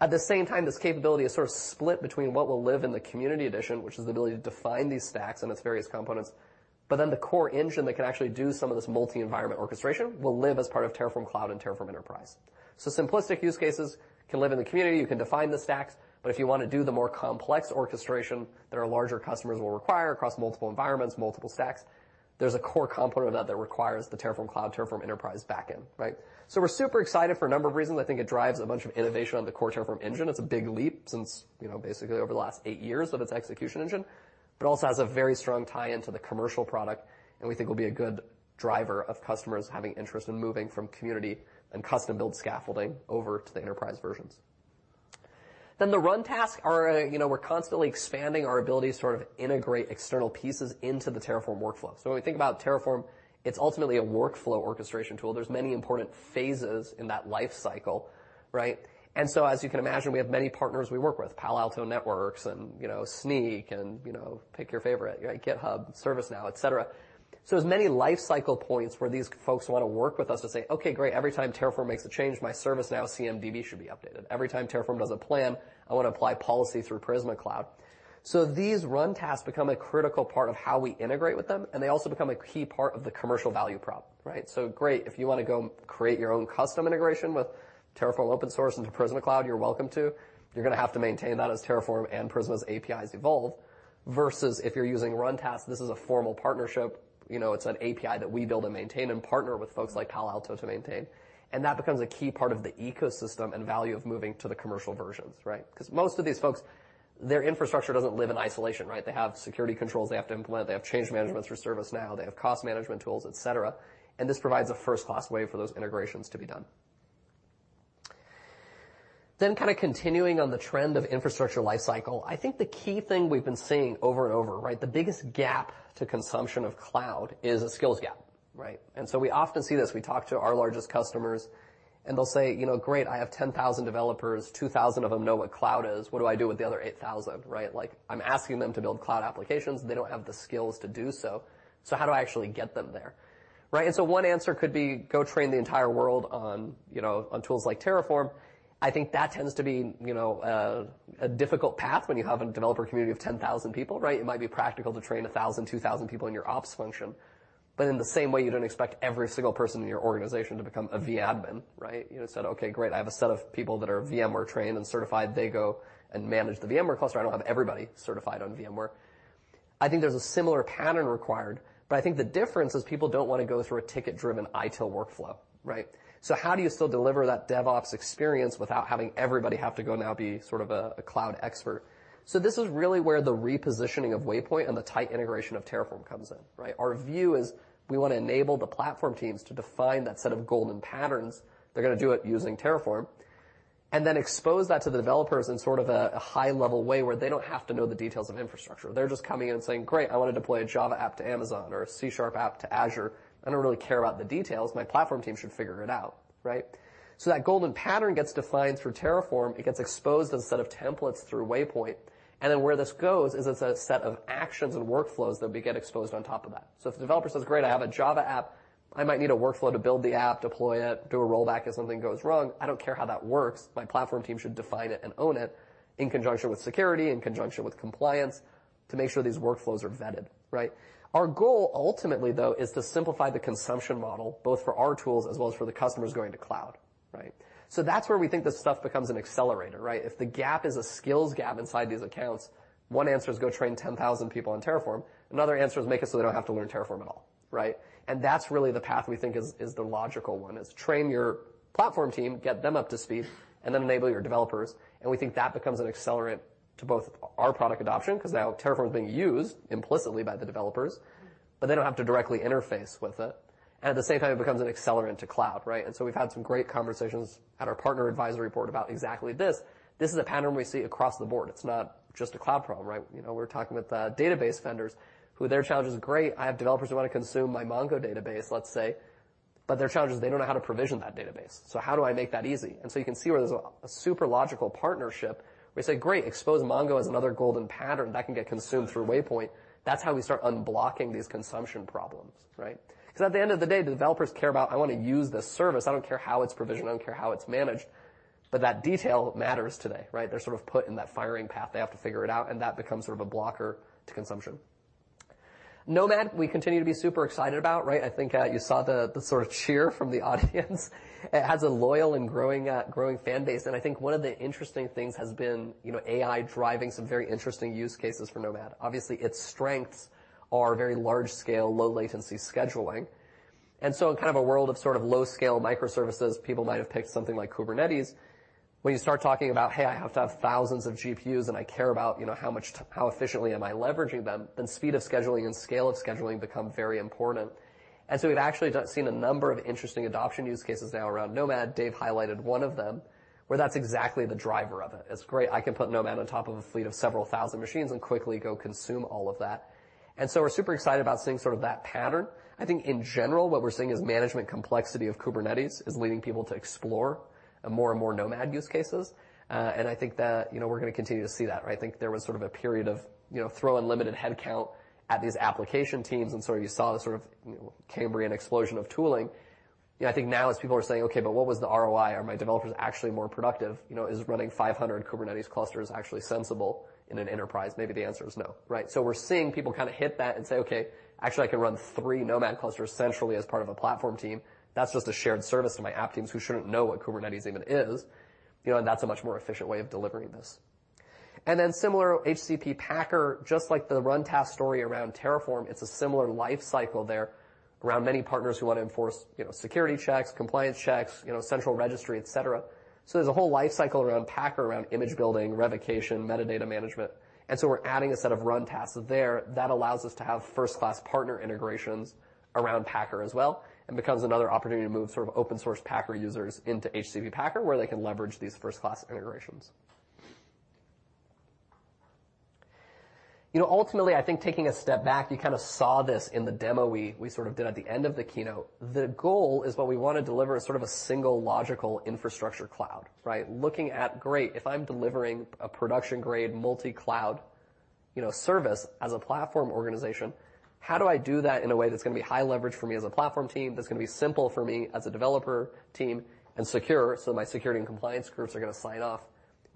At the same time, this capability is sort of split between what will live in the community edition, which is the ability to define these Stacks and its various components, but then the core engine that can actually do some of this multi-environment orchestration will live as part of Terraform Cloud and Terraform Enterprise. So simplistic use cases can live in the community. You can define the Stacks, but if you want to do the more complex orchestration that our larger customers will require across multiple environments, multiple Stacks, there's a core component of that that requires the Terraform Cloud, Terraform Enterprise backend, right? So we're super excited for a number of reasons. I think it drives a bunch of innovation on the core Terraform engine. It's a big leap since, you know, basically over the last eight years of its execution engine, but also has a very strong tie-in to the commercial product, and we think will be a good driver of customers having interest in moving from community and custom-built scaffolding over to the Enterprise versions. Then the Run Tasks are, you know, we're constantly expanding our ability to sort of integrate external pieces into the Terraform workflow. So when we think about Terraform, it's ultimately a workflow orchestration tool. There's many important phases in that life cycle, right? And so, as you can imagine, we have many partners we work with, Palo Alto Networks and, you know, Snyk and, you know, pick your favorite, right? GitHub, ServiceNow, et cetera. So there's many life cycle points where these folks want to work with us to say, "Okay, great, every time Terraform makes a change, my ServiceNow CMDB should be updated. Every time Terraform does a plan, I want to apply policy through Prisma Cloud." So these Run Tasks become a critical part of how we integrate with them, and they also become a key part of the commercial value prop, right? So great, if you want to go create your own custom integration with Terraform open source into Prisma Cloud, you're welcome to. You're gonna have to maintain that as Terraform and Prisma's APIs evolve. Versus if you're using Run Tasks, this is a formal partnership. You know, it's an API that we build and maintain and partner with folks like Palo Alto to maintain, and that becomes a key part of the ecosystem and value of moving to the commercial versions, right? 'Cause most of these folks, their infrastructure doesn't live in isolation, right? They have security controls they have to implement. They have change management through ServiceNow. They have cost management tools, et cetera, and this provides a first-class way for those integrations to be done. Then kind of continuing on the trend of infrastructure life cycle, I think the key thing we've been seeing over and over, right? The biggest gap to consumption of cloud is a skills gap, right? And so we often see this. We talk to our largest customers, and they'll say, "You know, great, I have 10,000 developers. 2,000 of them know what cloud is. What do I do with the other 8,000, right? Like, I'm asking them to build cloud applications. They don't have the skills to do so. So how do I actually get them there? Right, and so one answer could be, go train the entire world on, you know, on tools like Terraform. I think that tends to be, you know, a difficult path when you have a developer community of 10,000 people, right? It might be practical to train 1,000, 2,000 people in your ops function, but in the same way, you don't expect every single person in your organization to become a vAdmin, right? You know, said, "Okay, great, I have a set of people that are VMware trained and certified. They go and manage the VMware cluster. I don't have everybody certified on VMware." I think there's a similar pattern required, but I think the difference is people don't want to go through a ticket-driven ITIL workflow, right? So how do you still deliver that DevOps experience without having everybody have to go now be sort of a, a cloud expert? So this is really where the repositioning of Waypoint and the tight integration of Terraform comes in, right? Our view is we want to enable the platform teams to define that set of golden patterns. They're gonna do it using Terraform, and then expose that to the developers in sort of a, a high-level way, where they don't have to know the details of infrastructure. They're just coming in and saying: Great, I want to deploy a Java app to Amazon or a C# app to Azure. I don't really care about the details. My platform team should figure it out, right? So that golden pattern gets defined through Terraform. It gets exposed as a set of templates through Waypoint, and then where this goes is it's a set of actions and workflows that we get exposed on top of that. So if the developer says, "Great, I have a Java app, I might need a workflow to build the app, deploy it, do a rollback if something goes wrong. I don't care how that works. My platform team should define it and own it in conjunction with security, in conjunction with compliance."... to make sure these workflows are vetted, right? Our goal ultimately, though, is to simplify the consumption model, both for our tools as well as for the customers going to cloud, right? So that's where we think this stuff becomes an accelerator, right? If the gap is a skills gap inside these accounts, one answer is go train 10,000 people on Terraform. Another answer is make it so they don't have to learn Terraform at all, right? And that's really the path we think is, is the logical one, is train your platform team, get them up to speed, and then enable your developers. And we think that becomes an accelerant to both our product adoption, 'cause now Terraform is being used implicitly by the developers, but they don't have to directly interface with it. And at the same time, it becomes an accelerant to cloud, right? And so we've had some great conversations at our Partner Advisory Board about exactly this. This is a pattern we see across the board. It's not just a cloud problem, right? You know, we're talking with database vendors whose challenge is: Great, I have developers who want to consume my MongoDB database, let's say, but their challenge is they don't know how to provision that database. So how do I make that easy? And so you can see where there's a super logical partnership. We say, "Great, expose MongoDB as another golden pattern that can get consumed through Waypoint." That's how we start unblocking these consumption problems, right? 'Cause at the end of the day, the developers care about, "I wanna use this service. I don't care how it's provisioned, I don't care how it's managed," but that detail matters today, right? They're sort of put in that firing path. They have to figure it out, and that becomes sort of a blocker to consumption. Nomad, we continue to be super excited about, right? I think you saw the sort of cheer from the audience. It has a loyal and growing, growing fan base, and I think one of the interesting things has been, you know, AI driving some very interesting use cases for Nomad. Obviously, its strengths are very large-scale, low-latency scheduling. In kind of a world of sort of low-scale microservices, people might have picked something like Kubernetes. When you start talking about, "Hey, I have to have thousands of GPUs, and I care about, you know, how much—how efficiently am I leveraging them?" Then speed of scheduling and scale of scheduling become very important. We've actually seen a number of interesting adoption use cases now around Nomad. Dave highlighted one of them, where that's exactly the driver of it. Great, I can put Nomad on top of a fleet of several thousand machines and quickly go consume all of that. We're super excited about seeing sort of that pattern. I think in general, what we're seeing is management complexity of Kubernetes is leading people to explore more and more Nomad use cases. I think that, you know, we're gonna continue to see that, right? I think there was sort of a period of, you know, throw unlimited headcount at these application teams, and so you saw the sort of Cambrian explosion of tooling. Yeah, I think now as people are saying, "Okay, but what was the ROI? Are my developers actually more productive? You know, is running 500 Kubernetes clusters actually sensible in an enterprise?" Maybe the answer is no, right? So we're seeing people kinda hit that and say, "Okay, actually, I can run three Nomad clusters centrally as part of a platform team. That's just a shared service to my app teams who shouldn't know what Kubernetes even is." You know, and that's a much more efficient way of delivering this. And then similar, HCP Packer, just like the run task story around Terraform, it's a similar life cycle there around many partners who want to enforce, you know, security checks, compliance checks, you know, central registry, et cetera. So there's a whole life cycle around Packer, around image building, revocation, metadata management, and so we're adding a set of Run Tasks there that allows us to have first-class partner integrations around Packer as well. And becomes another opportunity to move sort of open source Packer users into HCP Packer, where they can leverage these first-class integrations. You know, ultimately, I think taking a step back, you kinda saw this in the demo we, we sort of did at the end of the keynote. The goal is what we wanna deliver a sort of a single logical infrastructure cloud, right? Looking at, great, if I'm delivering a production-grade multi-cloud, you know, service as a platform organization, how do I do that in a way that's gonna be high leverage for me as a platform team, that's gonna be simple for me as a developer team, and secure, so my security and compliance groups are gonna sign off?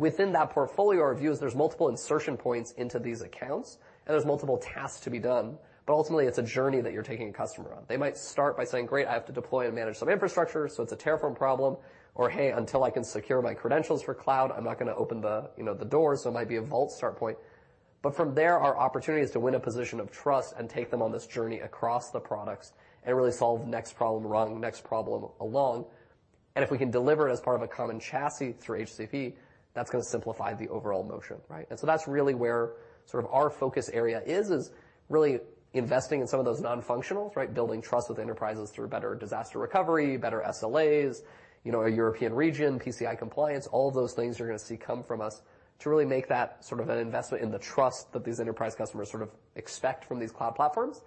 Within that portfolio, our view is there's multiple insertion points into these accounts, and there's multiple tasks to be done, but ultimately, it's a journey that you're taking a customer on. They might start by saying, "Great, I have to deploy and manage some infrastructure," so it's a Terraform problem. Or, "Hey, until I can secure my credentials for cloud, I'm not gonna open the, you know, the door," so it might be a Vault start point. But from there, our opportunity is to win a position of trust and take them on this journey across the products and really solve the next problem, run next problem along. And if we can deliver it as part of a common chassis through HCP, that's gonna simplify the overall motion, right? And so that's really where sort of our focus area is, is really investing in some of those non-functionals, right? Building trust with enterprises through better disaster recovery, better SLAs, you know, a European region, PCI compliance. All of those things you're gonna see come from us to really make that sort of an investment in the trust that these enterprise customers sort of expect from these cloud platforms.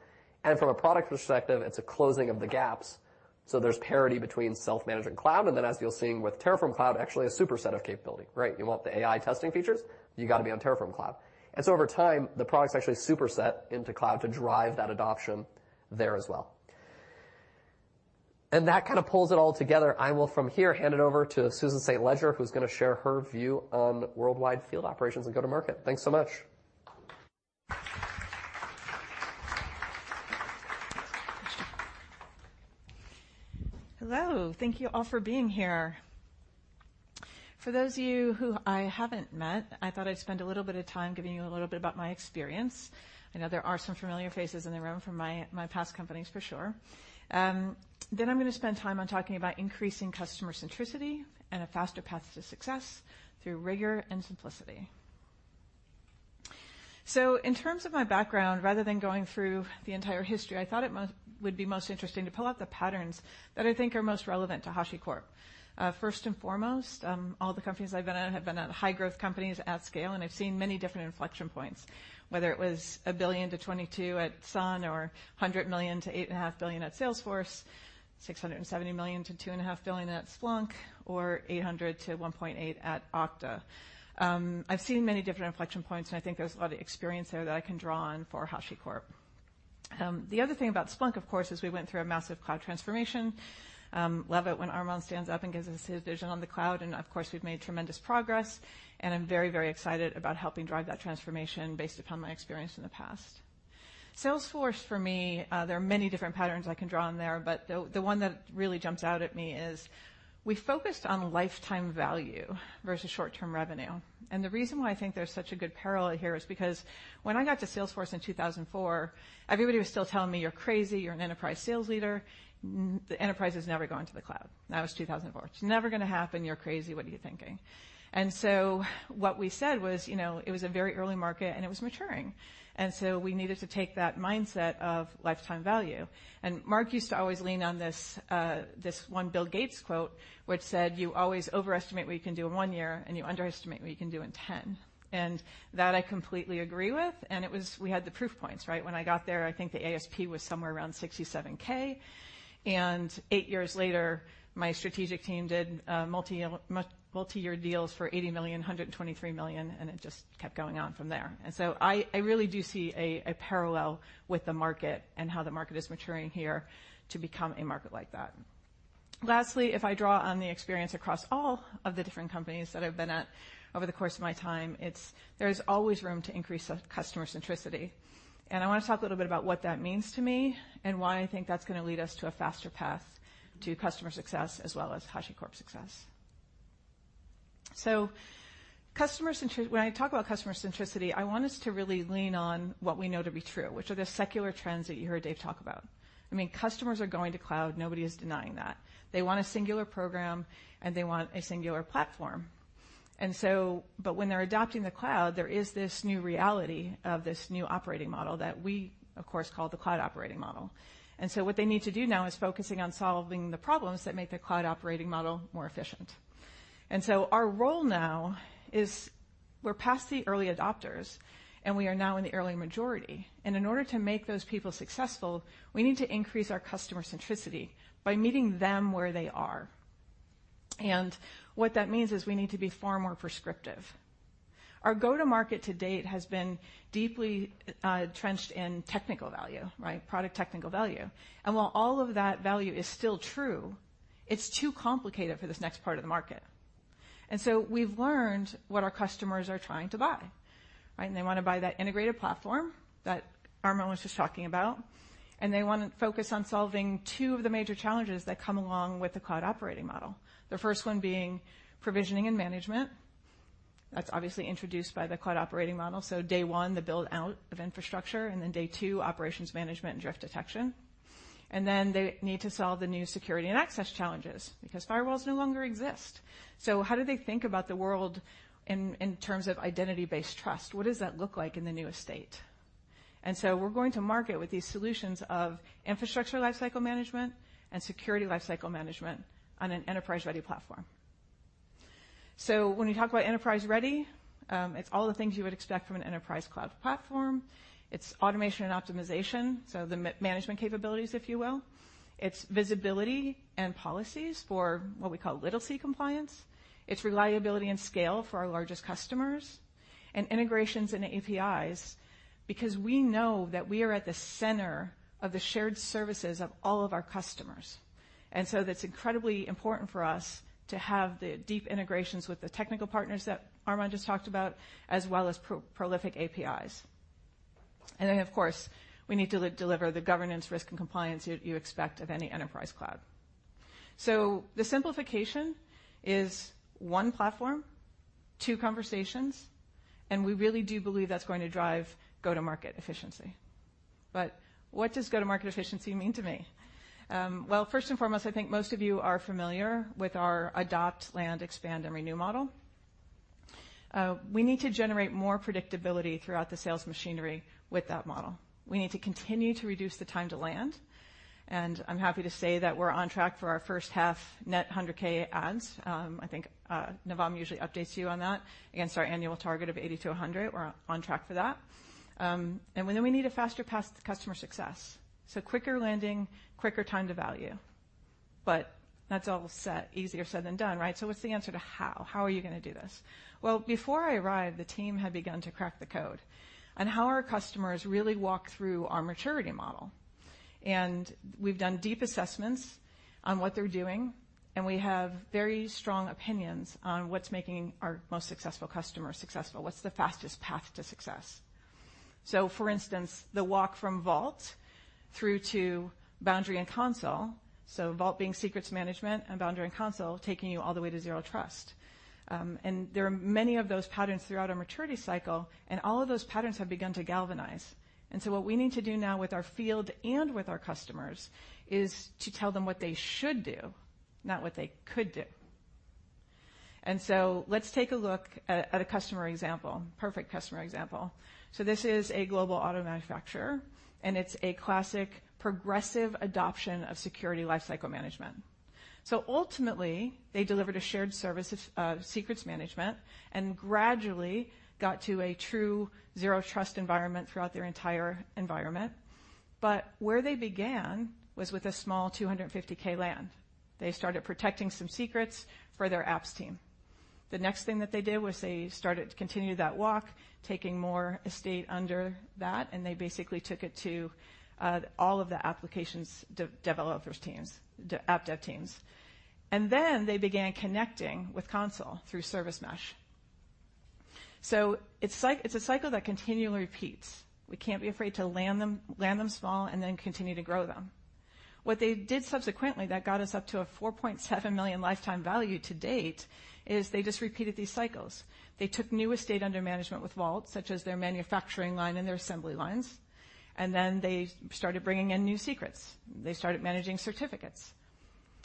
And from a product perspective, it's a closing of the gaps, so there's parity between self-management cloud, and then, as you're seeing with Terraform Cloud, actually a superset of capability, right? You want the AI testing features, you gotta be on Terraform Cloud. And so over time, the products actually superset into cloud to drive that adoption there as well. And that kinda pulls it all together. I will, from here, hand it over to Susan St. Ledger, who's gonna share her view on worldwide field operations and go-to-market. Thanks so much. Hello. Thank you all for being here. For those of you who I haven't met, I thought I'd spend a little bit of time giving you a little bit about my experience. I know there are some familiar faces in the room from my, my past companies for sure. Then I'm gonna spend time on talking about increasing customer centricity and a faster path to success through rigor and simplicity. So in terms of my background, rather than going through the entire history, I thought it would be most interesting to pull out the patterns that I think are most relevant to HashiCorp. First and foremost, all the companies I've been at have been high-growth companies at scale, and I've seen many different inflection points, whether it $1 billion-$22 billion at Sun or $100 million-$8.5 billion at Salesforce, $670 million-$2.5 billion at Splunk, or $800 million-$1.8 billion at Okta. I've seen many different inflection points, and I think there's a lot of experience there that I can draw on for HashiCorp. The other thing about Splunk, of course, is we went through a massive cloud transformation. I love it when Armon stands up and gives us his vision on the cloud, and of course, we've made tremendous progress, and I'm very, very excited about helping drive that transformation based upon my experience in the past. Salesforce, for me, there are many different patterns I can draw on there, but the one that really jumps out at me is we focused on lifetime value versus short-term revenue. And the reason why I think there's such a good parallel here is because when I got to Salesforce in 2004, everybody was still telling me, "You're crazy. You're an enterprise sales leader. The enterprise is never going to the cloud." That was 2004. "It's never gonna happen. You're crazy. What are you thinking?" And so what we said was, you know, it was a very early market, and it was maturing, and so we needed to take that mindset of lifetime value. Mark used to always lean on this, this one Bill Gates quote, which said, "You always overestimate what you can do in one year, and you underestimate what you can do in ten." That I completely agree with, and it was... We had the proof points, right? When I got there, I think the ASP was somewhere around $67,000, and eight years later, my strategic team did multi-year, multi-year deals for $80 million, $123 million, and it just kept going on from there. I really do see a parallel with the market and how the market is maturing here to become a market like that. Lastly, if I draw on the experience across all of the different companies that I've been at over the course of my time, it's there is always room to increase the customer centricity. I want to talk a little bit about what that means to me and why I think that's gonna lead us to a faster path to customer success, as well as HashiCorp success. So customer centricWhen I talk about customer centricity, I want us to really lean on what we know to be true, which are the secular trends that you heard Dave talk about. I mean, customers are going to cloud. Nobody is denying that. They want a singular program, and they want a singular platform. And so, but when they're adopting the cloud, there is this new reality of this new operating model that we, of course, call the Cloud Operating Model. And so what they need to do now is focusing on solving the problems that make the Cloud Operating Model more efficient. Our role now is we're past the early adopters, and we are now in the early majority. In order to make those people successful, we need to increase our customer centricity by meeting them where they are. What that means is we need to be far more prescriptive. Our go-to-market to date has been deeply, trenched in technical value, right? Product technical value. While all of that value is still true, it's too complicated for this next part of the market. We've learned what our customers are trying to buy, right? They want to buy that integrated platform that Armon was just talking about, and they want to focus on solving two of the major challenges that come along with the Cloud Operating Model. The first one being provisioning and management. That's obviously introduced by the Cloud Operating Model. Day one, the build-out of infrastructure, and then day two, operations management and drift detection. They need to solve the new security and access challenges because firewalls no longer exist. How do they think about the world in, in terms of identity-based trust? What does that look like in the new estate? We're going to market with these solutions of Infrastructure Lifecycle Management and Security Lifecycle Management on an enterprise-ready platform. When you talk about enterprise-ready, it's all the things you would expect from an enterprise cloud platform. It's automation and optimization, so the management capabilities, if you will. It's visibility and policies for what we call little C compliance. It's reliability and scale for our largest customers, and integrations and APIs, because we know that we are at the center of the shared services of all of our customers. And so that's incredibly important for us to have the deep integrations with the technical partners that Armon just talked about, as well as prolific APIs. And then, of course, we need to deliver the governance, risk, and compliance you expect of any enterprise cloud. So the simplification is one platform, two conversations, and we really do believe that's going to drive go-to-market efficiency. But what does go-to-market efficiency mean to me? Well, first and foremost, I think most of you are familiar with our adopt, land, expand, and renew model. We need to generate more predictability throughout the sales machinery with that model. We need to continue to reduce the time to land, and I'm happy to say that we're on track for our first half net $100,000 ACVs. I think Navam usually updates you on that. Against our annual target of $80,000-$100,000, we're on track for that. And then we need a faster path to customer success. So quicker landing, quicker time to value. But that's all set. Easier said than done, right? So what's the answer to how? How are you gonna do this? Well, before I arrived, the team had begun to crack the code on how our customers really walk through our maturity model. And we've done deep assessments on what they're doing, and we have very strong opinions on what's making our most successful customers successful. What's the fastest path to success? So for instance, the walk from Vault through to Boundary and Consul, so Vault being secrets management, and Boundary and Consul taking you all the way to Zero Trust. And there are many of those patterns throughout our maturity cycle, and all of those patterns have begun to galvanize. And so what we need to do now with our field and with our customers is to tell them what they should do, not what they could do. And so let's take a look at a customer example, perfect customer example. So this is a global auto manufacturer, and it's a classic progressive adoption of Security Lifecycle Management. So ultimately, they delivered a shared service of secrets management, and gradually got to a true Zero Trust environment throughout their entire environment. But where they began was with a small $250,000 land. They started protecting some secrets for their apps team. The next thing that they did was they started to continue that walk, taking more estate under that, and they basically took it to all of the applications developers teams, the app dev teams. And then they began connecting with Consul through service mesh. So it's a cycle that continually repeats. We can't be afraid to land them, land them small, and then continue to grow them. What they did subsequently that got us up to a $4.7 million lifetime value to date, is they just repeated these cycles. They took new estate under management with Vault, such as their manufacturing line and their assembly lines, and then they started bringing in new secrets. They started managing certificates.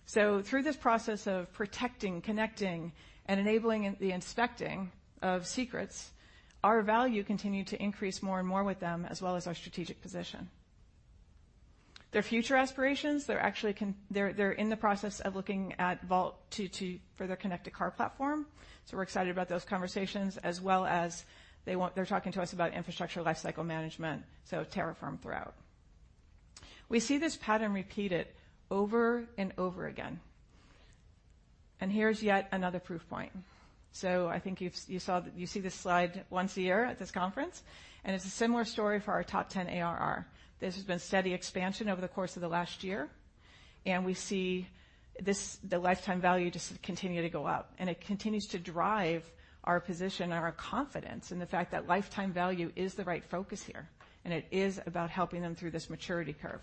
So through this process of protecting, connecting, and enabling in the inspecting of secrets, our value continued to increase more and more with them, as well as our strategic position. Their future aspirations, they're actually in the process of looking at Vault to for their connected car platform. So we're excited about those conversations as well as they're talking to us about Infrastructure Lifecycle Management, so Terraform throughout. We see this pattern repeated over and over again. And here's yet another proof point. So I think you've, you saw... You see this slide once a year at this conference, and it's a similar story for our top 10 ARR. This has been steady expansion over the course of the last year, and we see this, the lifetime value, just continue to go up. It continues to drive our position and our confidence in the fact that lifetime value is the right focus here, and it is about helping them through this maturity curve.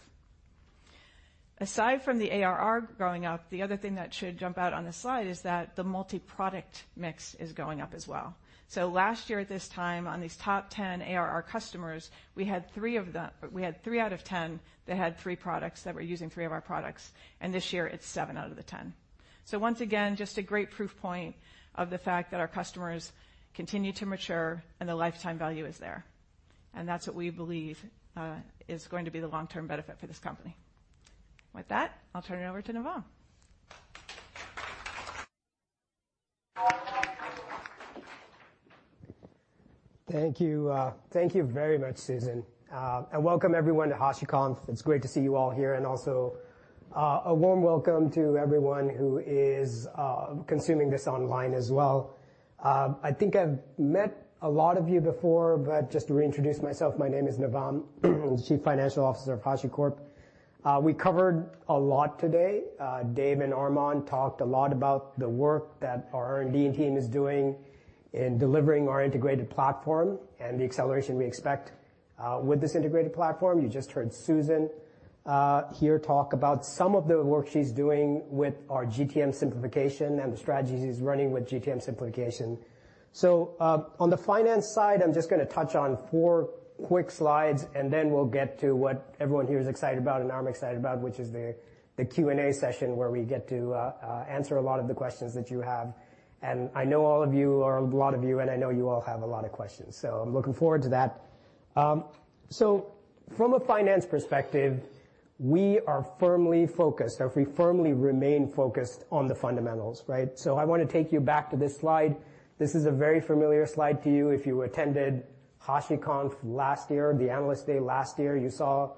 Aside from the ARR going up, the other thing that should jump out on this slide is that the multi-product mix is going up as well. So last year at this time, on these top 10 ARR customers, we had three out of 10 that had three products, that were using three of our products, and this year it's seven out of the 10. So once again, just a great proof point of the fact that our customers continue to mature and the lifetime value is there. And that's what we believe is going to be the long-term benefit for this company. With that, I'll turn it over to Navam. Thank you. Thank you very much, Susan, and welcome everyone to HashiConf. It's great to see you all here, and also, a warm welcome to everyone who is, consuming this online as well. I think I've met a lot of you before, but just to reintroduce myself, my name is Navam, the Chief Financial Officer of HashiCorp. We covered a lot today. Dave and Armon talked a lot about the work that our R&D team is doing in delivering our integrated platform and the acceleration we expect, with this integrated platform. You just heard Susan, here talk about some of the work she's doing with our GTM simplification and the strategies he's running with GTM simplification. On the finance side, I'm just gonna touch on four quick slides, and then we'll get to what everyone here is excited about and I'm excited about, which is the Q&A session, where we get to answer a lot of the questions that you have. I know all of you, or a lot of you, and I know you all have a lot of questions, so I'm looking forward to that. From a finance perspective, we are firmly focused, or we firmly remain focused on the fundamentals, right? I want to take you back to this slide. This is a very familiar slide to you. If you attended HashiConf last year, the Analyst Day last year, you saw,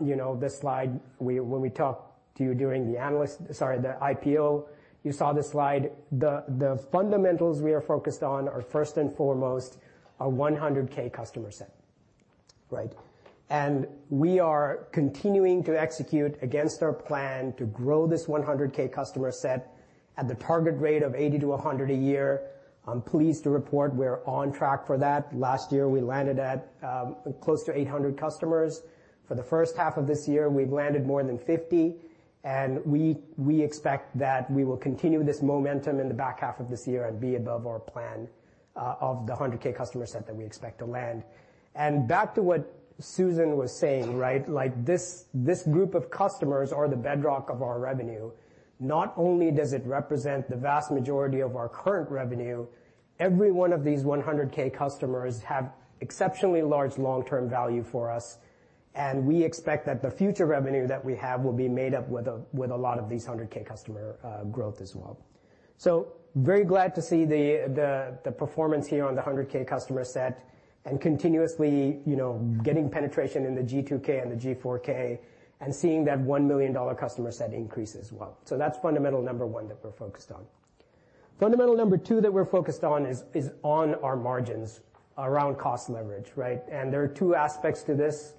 you know, this slide. We- when we talked to you during the analyst... Sorry, the IPO, you saw this slide. The fundamentals we are focused on are, first and foremost, our 100,000 customer set, right? And we are continuing to execute against our plan to grow this 100,000 customer set at the target rate of $80,000-$100,000 a year. I'm pleased to report we're on track for that. Last year, we landed at close to 800 customers. For the first half of this year, we've landed more than 50, and we expect that we will continue this momentum in the back half of this year and be above our plan of the 100,000 customer set that we expect to land. And back to what Susan was saying, right? Like, this group of customers are the bedrock of our revenue. Not only does it represent the vast majority of our current revenue, every one of these 100,000 customers have exceptionally large long-term value for us, and we expect that the future revenue that we have will be made up with a, with a lot of these 100,000 customer growth as well. So very glad to see the, the, the performance here on the 100,000 customer set and continuously, you know, getting penetration in the G2K and the G4K and seeing that $1 million customer set increase as well. So that's fundamental number one that we're focused on. Fundamental number two that we're focused on is, is on our margins around cost leverage, right? And there are two aspects to this.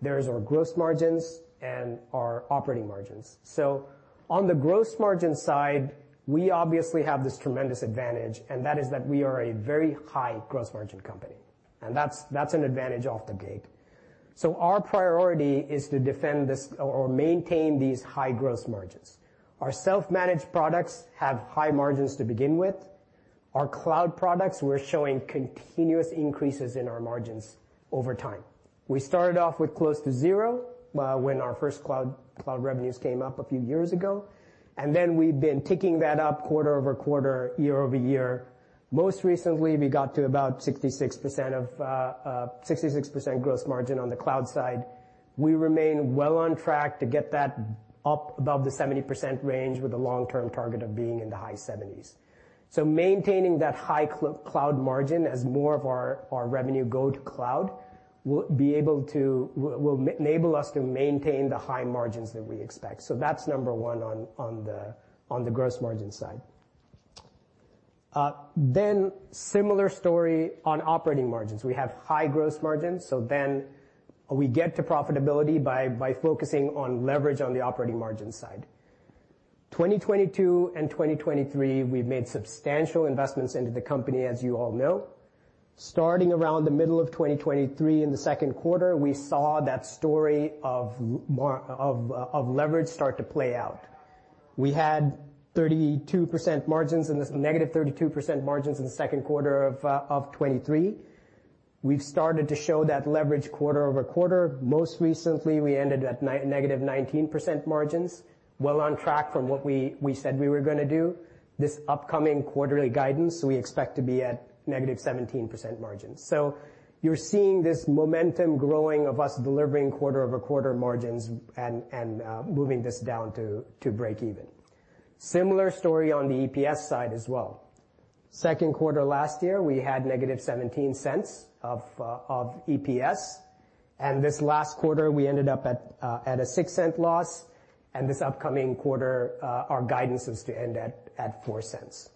There's our gross margins and our operating margins. So on the gross margin side, we obviously have this tremendous advantage, and that is that we are a very high gross margin company, and that's, that's an advantage off the gate. So our priority is to defend this or, or maintain these high gross margins. Our self-managed products have high margins to begin with. Our cloud products, we're showing continuous increases in our margins over time. We started off with close to zero, when our first cloud, cloud revenues came up a few years ago, and then we've been ticking that up quarter over quarter, year-over-year. Most recently, we got to about 66% of, 66% gross margin on the cloud side. We remain well on track to get that up above the 70% range with a long-term target of being in the high 70s. So maintaining that high cloud margin as more of our, our revenue go to cloud, will be able to... Will, will enable us to maintain the high margins that we expect. So that's number one on, on the, on the gross margin side.... Then similar story on operating margins. We have high gross margins, so then we get to profitability by, by focusing on leverage on the operating margin side. 2022 and 2023, we've made substantial investments into the company, as you all know. Starting around the middle of 2023, in the second quarter, we saw that story of of leverage start to play out. We had 32% margins, and this -32% margins in the second quarter of 2023. We've started to show that leverage quarter-over-quarter. Most recently, we ended at negative 19% margins, well on track from what we said we were gonna do. This upcoming quarterly guidance, we expect to be at negative 17% margins. So you're seeing this momentum growing of us delivering quarter-over-quarter margins and moving this down to breakeven. Similar story on the EPS side as well. Second quarter last year, we had -$0.17 of EPS, and this last quarter, we ended up at a $0.06 loss, and this upcoming quarter, our guidance is to end at $0.04.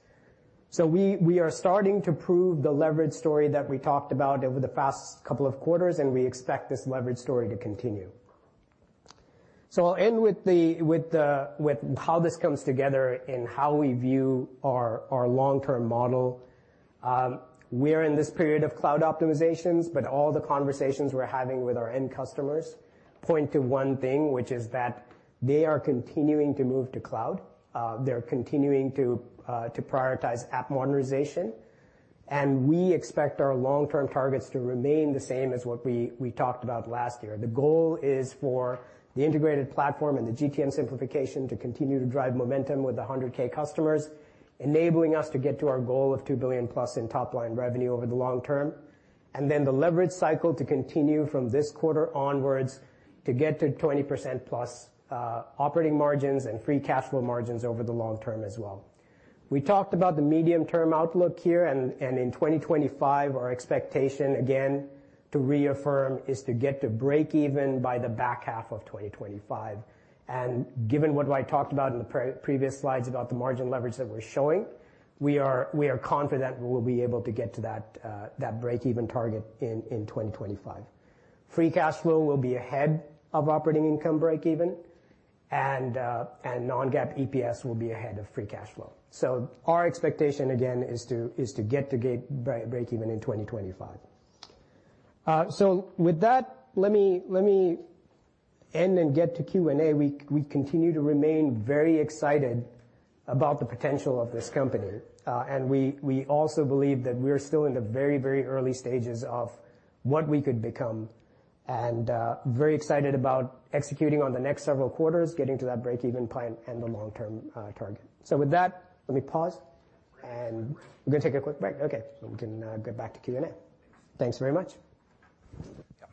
So we are starting to prove the leverage story that we talked about over the past couple of quarters, and we expect this leverage story to continue. So I'll end with how this comes together and how we view our long-term model. We're in this period of cloud optimizations, but all the conversations we're having with our end customers point to one thing, which is that they are continuing to move to cloud. They're continuing to prioritize app modernization, and we expect our long-term targets to remain the same as what we talked about last year. The goal is for the integrated platform and the GTM simplification to continue to drive momentum with the 100,000 customers, enabling us to get to our goal of $2 billion-plus in top-line revenue over the long term, and then the leverage cycle to continue from this quarter onwards to get to 20%+ operating margins and free cash flow margins over the long term as well. We talked about the medium-term outlook here, and in 2025, our expectation, again, to reaffirm, is to get to breakeven by the back half of 2025. And given what I talked about in the previous slides about the margin leverage that we're showing, we are confident we'll be able to get to that breakeven target in 2025. Free cash flow will be ahead of operating income breakeven, and non-GAAP EPS will be ahead of free cash flow. So our expectation, again, is to get to breakeven in 2025. So with that, let me end and get to Q&A. We, we continue to remain very excited about the potential of this company, and we, we also believe that we're still in the very, very early stages of what we could become, and, very excited about executing on the next several quarters, getting to that breakeven plan and the long-term, target. So with that, let me pause, and we're going to take a quick break. Okay. So we can, get back to Q&A. Thanks very much. Yeah.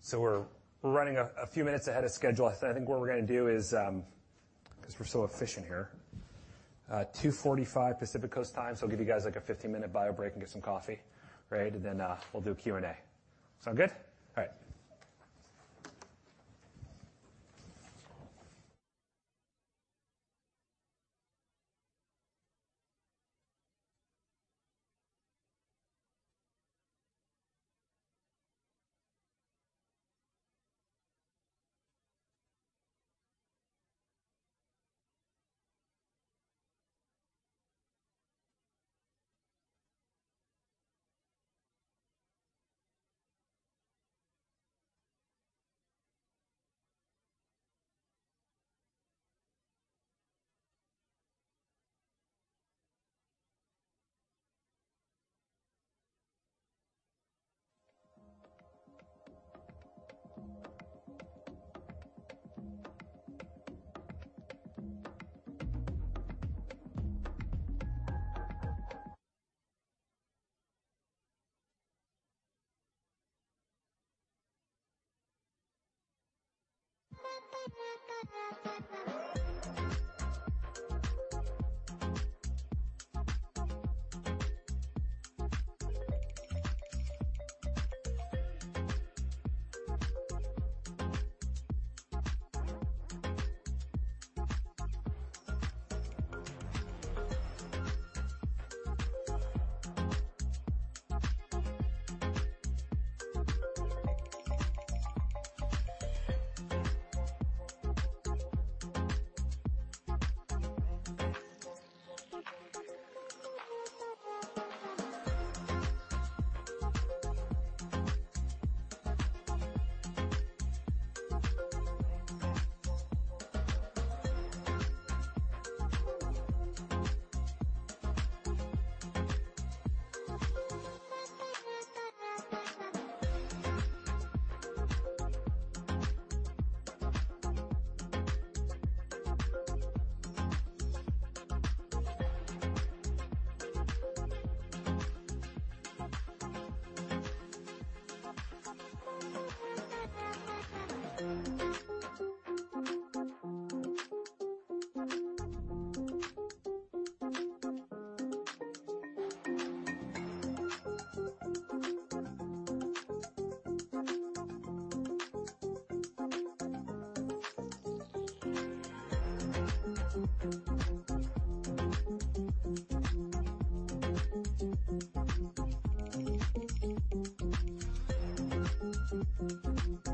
So we're running a few minutes ahead of schedule. I think what we're gonna do is, because we're so efficient here, 2:45 P.M. Pacific Coast Time. So I'll give you guys, like, a 15-minute bio break and get some coffee, right? And then, we'll do Q&A. Sound good? All right.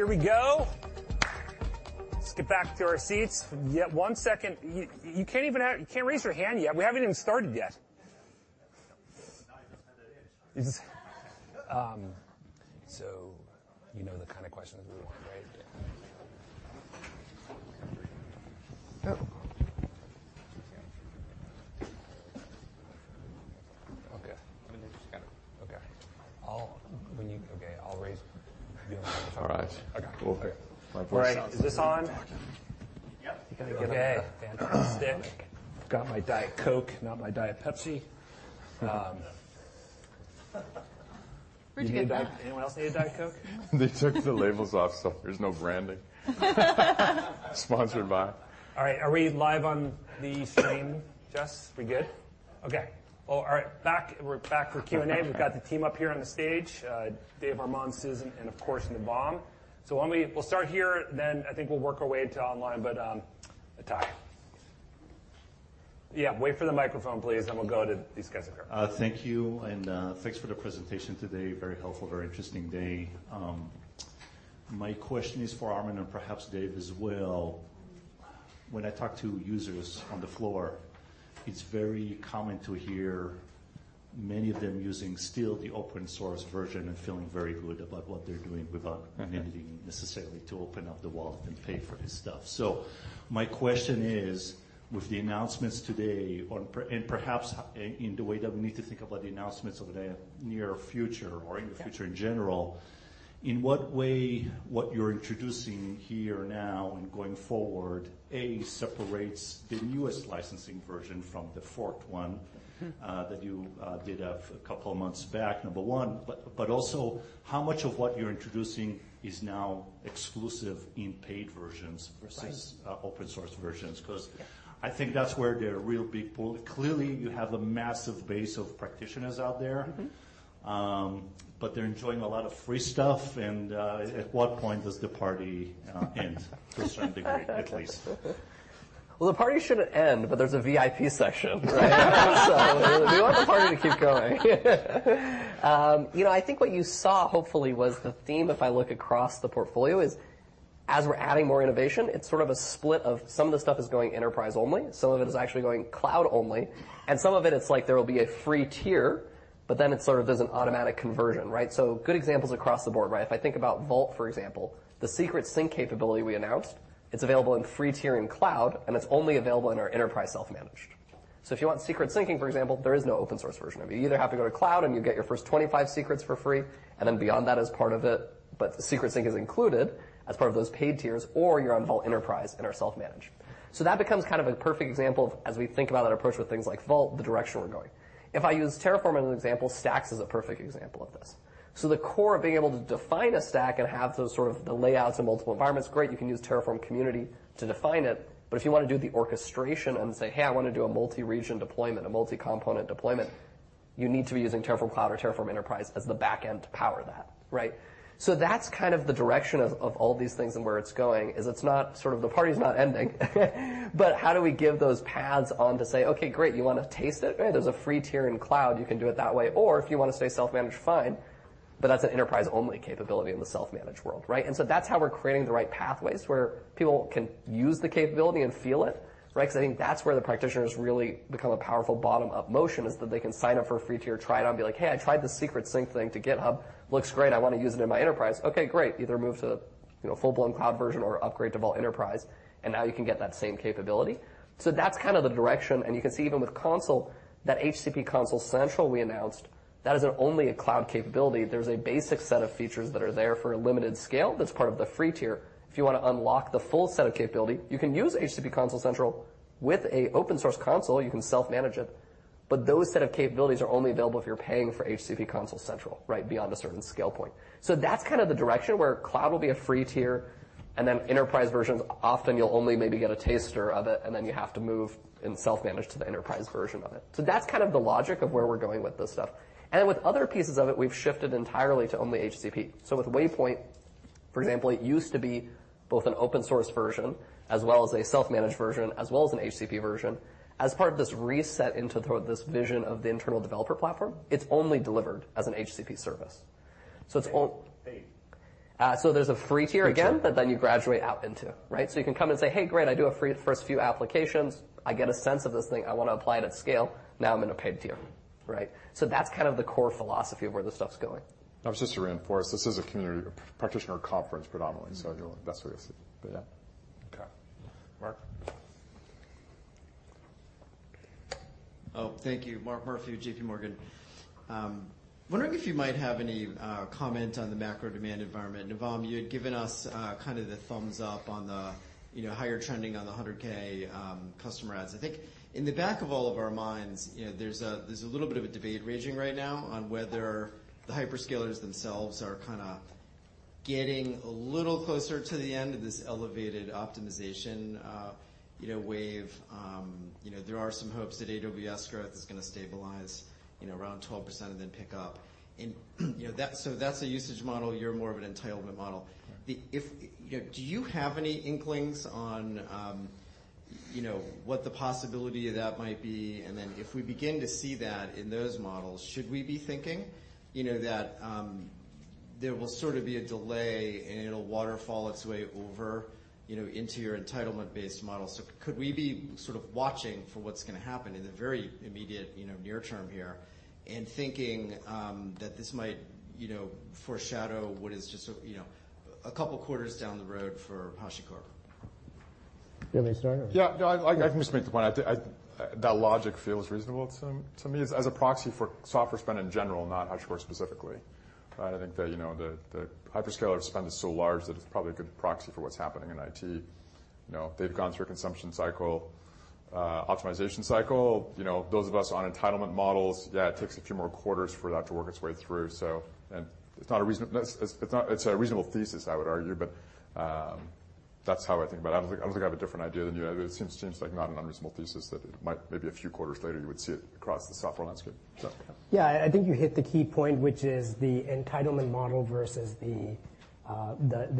Here we go. Let's get back to our seats. Yep, one second. You can't even have. You can't raise your hand yet. We haven't even started yet. ... So you know the kind of questions we want, right? Okay. Let me just kind of... Okay. Okay, I'll raise you. All right. Okay, cool. My voice sounds- All right. Is this on? Yep. Okay, fantastic. Got my Diet Coke, not my Diet Pepsi. Where'd you get that? Anyone else need a Diet Coke? They took the labels off, so there's no branding. Sponsored by. All right, are we live on the stream, Jess? We're good? Okay. Well, all right. Back, we're back for Q&A. We've got the team up here on the stage, Dave, Armon, Susan, and of course, Navam. So why don't we. We'll start here, then I think we'll work our way to online, but, Attai. Yeah, wait for the microphone, please, then we'll go to these guys up here. Thank you, and thanks for the presentation today. Very helpful, very interesting day. My question is for Armon and perhaps Dave as well. When I talk to users on the floor, it's very common to hear many of them using still the open source version and feeling very good about what they're doing without needing necessarily to open up the wallet and pay for this stuff. So my question is, with the announcements today and perhaps in the way that we need to think about the announcements of the near future or in the future in general, in what way what you're introducing here now and going forward, A, separates the newest licensing version from the forked one that you did a couple of months back, number one. But also, how much of what you're introducing is now exclusive in paid versions- Right. —versus open source versions? 'Cause I think that's where the real big pull... Clearly, you have a massive base of practitioners out there. Mm-hmm. But they're enjoying a lot of free stuff, and at what point does the party end? To a certain degree, at least. Well, the party shouldn't end, but there's a VIP section, right? So we want the party to keep going. You know, I think what you saw hopefully was the theme, if I look across the portfolio, is as we're adding more innovation, it's sort of a split of some of the stuff is going enterprise only, some of it is actually going cloud only, and some of it, it's like there will be a free tier, but then it sort of there's an automatic conversion, right? So good examples across the board, right? If I think about Vault, for example, the Secrets Sync capability we announced, it's available in free tier in cloud, and it's only available in our enterprise self-managed. So if you want Secrets Sync, for example, there is no open source version of it. You either have to go to cloud, and you get your first 25 secrets for free, and then beyond that is part of it. But the Secrets sync is included as part of those paid tiers, or you're on Vault Enterprise and are self-managed. So that becomes kind of a perfect example of as we think about that approach with things like Vault, the direction we're going. If I use Terraform as an example, Stacks is a perfect example of this. So the core of being able to define a stack and have those sort of the layouts in multiple environments, great, you can use Terraform Community to define it. But if you want to do the orchestration and say, "Hey, I want to do a multi-region deployment, a multi-component deployment," you need to be using Terraform Cloud or Terraform Enterprise as the back end to power that, right? So that's kind of the direction of, of all these things and where it's going, is it's not sort of the party's not ending, but how do we give those paths on to say, "Okay, great, you want to taste it? There's a free tier in cloud. You can do it that way, or if you want to stay self-managed, fine," but that's an enterprise-only capability in the self-managed world, right? And so that's how we're creating the right pathways, where people can use the capability and feel it, right? Because I think that's where the practitioners really become a powerful bottom-up motion, is that they can sign up for a free tier, try it out, and be like, "Hey, I tried this Secrets Sync thing to GitHub. Looks great. I want to use it in my enterprise." Okay, great. Either move to, you know, full-blown cloud version or upgrade to Vault Enterprise, and now you can get that same capability. So that's kind of the direction, and you can see even with Consul, that HCP Consul Central we announced, that is only a cloud capability. There's a basic set of features that are there for a limited scale. That's part of the free tier. If you want to unlock the full set of capability, you can use HCP Consul Central with an open source Consul, you can self-manage it, but those set of capabilities are only available if you're paying for HCP Consul Central, right, beyond a certain scale point. So that's kind of the direction where cloud will be a free tier, and then enterprise versions, often you'll only maybe get a taster of it, and then you have to move in self-managed to the enterprise version of it. So that's kind of the logic of where we're going with this stuff. And with other pieces of it, we've shifted entirely to only HCP. So with Waypoint, for example, it used to be both an open source version, as well as a self-managed version, as well as an HCP version. As part of this reset into toward this vision of the internal developer platform, it's only delivered as an HCP service. So it's on- Hey. So there's a free tier again, but then you graduate out into, right? You can come and say, "Hey, great, I do a free first few applications. I get a sense of this thing. I want to apply it at scale. Now I'm in a paid tier," right? That's kind of the core philosophy of where this stuff's going. Just to reinforce, this is a community, a practitioner conference predominantly, so that's where you'll see it. But yeah. Okay. Mark? Oh, thank you. Mark Murphy, JP Morgan. Wondering if you might have any comment on the macro demand environment. Navam, you had given us kind of the thumbs up on the, you know, higher trending on the 100,000 customer adds. I think in the back of all of our minds, you know, there's a little bit of a debate raging right now on whether the hyperscalers themselves are kind of getting a little closer to the end of this elevated optimization, you know, wave. You know, there are some hopes that AWS growth is going to stabilize, you know, around 12% and then pick up. You know, that's so that's a usage model. You're more of an entitlement model. Right. Do you have any inklings on, you know, what the possibility of that might be? And then if we begin to see that in those models, should we be thinking, you know, that there will sort of be a delay, and it'll waterfall its way over, you know, into your entitlement-based model? So could we be sort of watching for what's going to happen in the very immediate, you know, near term here and thinking that this might, you know, foreshadow what is just, you know, a couple quarters down the road for HashiCorp? Do you want me to start or? Yeah, no, I can just make the point. I... That logic feels reasonable to me as a proxy for software spend in general, not HashiCorp specifically. I think that, you know, the hyperscaler spend is so large that it's probably a good proxy for what's happening in IT. You know, they've gone through a consumption cycle, optimization cycle. You know, those of us on entitlement models, yeah, it takes a few more quarters for that to work its way through. It's not a reason—it's a reasonable thesis, I would argue, but that's how I think about it. I don't think I have a different idea than you. It seems like not an unreasonable thesis, that it might maybe a few quarters later, you would see it across the software landscape. Yeah, I think you hit the key point, which is the entitlement model versus the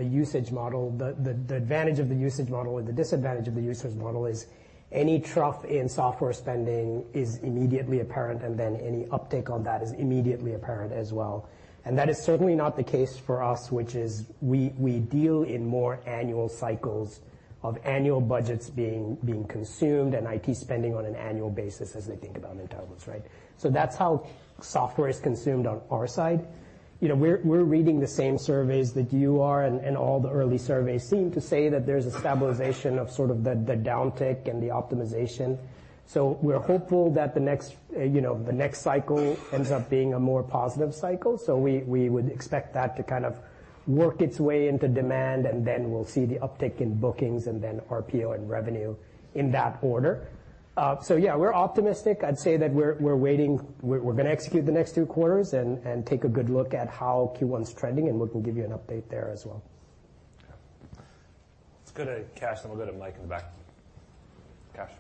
usage model. The advantage of the usage model or the disadvantage of the usage model is any trough in software spending is immediately apparent, and then any uptick on that is immediately apparent as well. That is certainly not the case for us, which is... we deal in more annual cycles of annual budgets being consumed and IT spending on an annual basis as they think about entitlements, right? That's how software is consumed on our side. You know, we're reading the same surveys that you are, and all the early surveys seem to say that there's a stabilization of sort of the downtick and the optimization. So we're hopeful that the next, you know, the next cycle ends up being a more positive cycle. So we, we would expect that to kind of work its way into demand, and then we'll see the uptick in bookings and then RPO and revenue in that order. So yeah, we're optimistic. I'd say that we're, we're waiting. We're, we're gonna execute the next two quarters and, and take a good look at how Q1's trending, and we'll, we'll give you an update there as well. Let's go to Kash, and we'll get a mic in the back. Kash?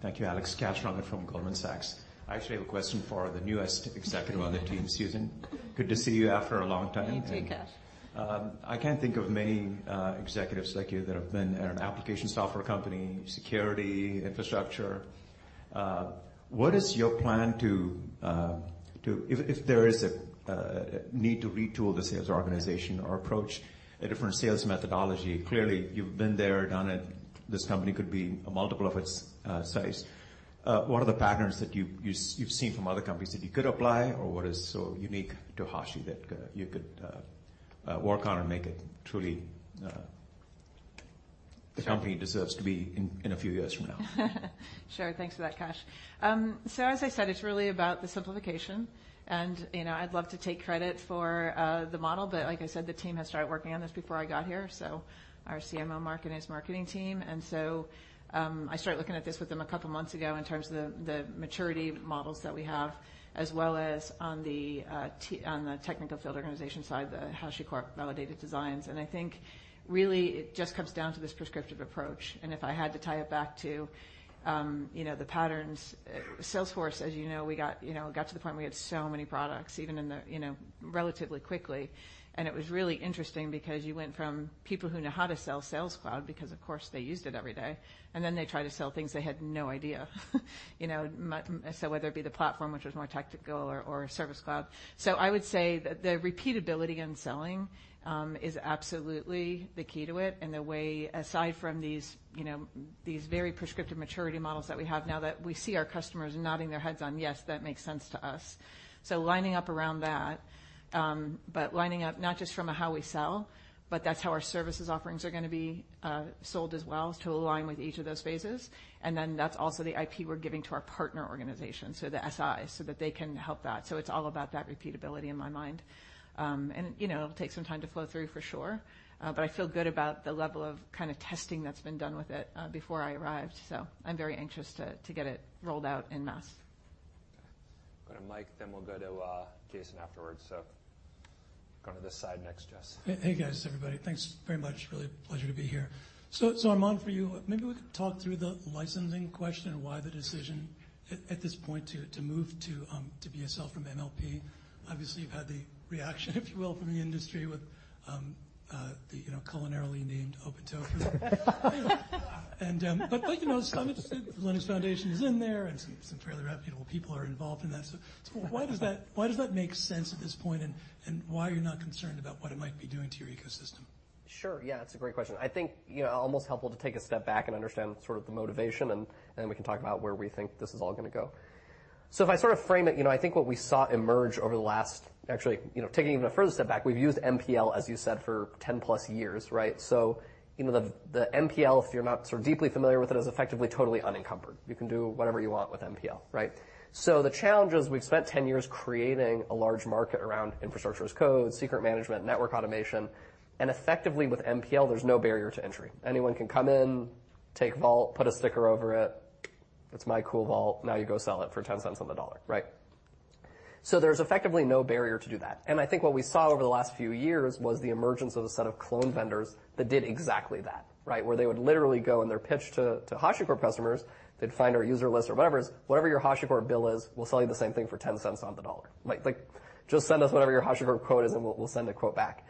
Thank you, Alex. Kash Rangan from Goldman Sachs. I actually have a question for the newest executive on the team, Susan. Good to see you after a long time. You too, Kash. I can't think of many executives like you that have been at an application software company, security, infrastructure. What is your plan to... If there is a need to retool the sales organization or approach a different sales methodology, clearly, you've been there, done it. This company could be a multiple of its size. What are the patterns that you've seen from other companies that you could apply, or what is so unique to Hashi that you could work on and make it truly the company deserves to be in a few years from now? Sure. Thanks for that, Kash. So as I said, it's really about the simplification, and, you know, I'd love to take credit for the model, but like I said, the team had started working on this before I got here, so our CMO marketing's marketing team. And so I started looking at this with them a couple of months ago in terms of the maturity models that we have, as well as on the technical field organization side, the HashiCorp Validated Designs. And I think really it just comes down to this prescriptive approach, and if I had to tie it back to you know, the patterns, Salesforce, as you know, we got you know, to the point where we had so many products, even in the you know, relatively quickly. It was really interesting because you went from people who know how to sell Sales Cloud, because, of course, they used it every day, and then they tried to sell things they had no idea. You know, so whether it be the platform, which was more tactical or Service Cloud. So I would say that the repeatability in selling is absolutely the key to it, and the way... Aside from these, you know, these very prescriptive maturity models that we have now, that we see our customers nodding their heads on, "Yes, that makes sense to us." So lining up around that, but lining up not just from a how we sell, but that's how our services offerings are gonna be sold as well, is to align with each of those phases. And then that's also the IP we're giving to our partner organization, so the SIs, so that they can help that. So it's all about that repeatability in my mind. And, you know, it'll take some time to flow through for sure, but I feel good about the level of kind of testing that's been done with it, before I arrived, so I'm very anxious to, to get it rolled out en masse. Go to Mike, then we'll go to Jason afterwards. So go to this side next, Jess. Hey, hey, guys, everybody. Thanks very much. Really a pleasure to be here. Armon, for you, maybe we could talk through the licensing question and why the decision at this point to move to BSL from MPL. Obviously, you've had the reaction, if you will, from the industry with the, you know, culinarily named OpenTofu. You know, I'm interested, the Linux Foundation is in there, and some fairly reputable people are involved in that. Why does that make sense at this point, and why are you not concerned about what it might be doing to your ecosystem? Sure. Yeah, it's a great question. I think, you know, almost helpful to take a step back and understand sort of the motivation, and we can talk about where we think this is all gonna go. If I sort of frame it, you know, I think what we saw emerge over the last... Actually, you know, taking an even further step back, we've used MPL, as you said, for 10+ years, right? You know, the MPL, if you're not sort of deeply familiar with it, is effectively totally unencumbered. You can do whatever you want with MPL, right? The challenge is we've spent 10 years creating a large market around infrastructure as code, secret management, network automation, and effectively with MPL, there's no barrier to entry. Anyone can come in, take Vault, put a sticker over it. It's my cool Vault. Now you go sell it for $0.10 on the dollar, right? There's effectively no barrier to do that. I think what we saw over the last few years was the emergence of a set of clone vendors that did exactly that, right? Where they would literally go in their pitch to, to HashiCorp customers, they'd find our user list or whatever it is. "Whatever your HashiCorp bill is, we'll sell you the same thing for $0.10 on the dollar. Like, like, just send us whatever your HashiCorp quote is, and we'll, we'll send a quote back."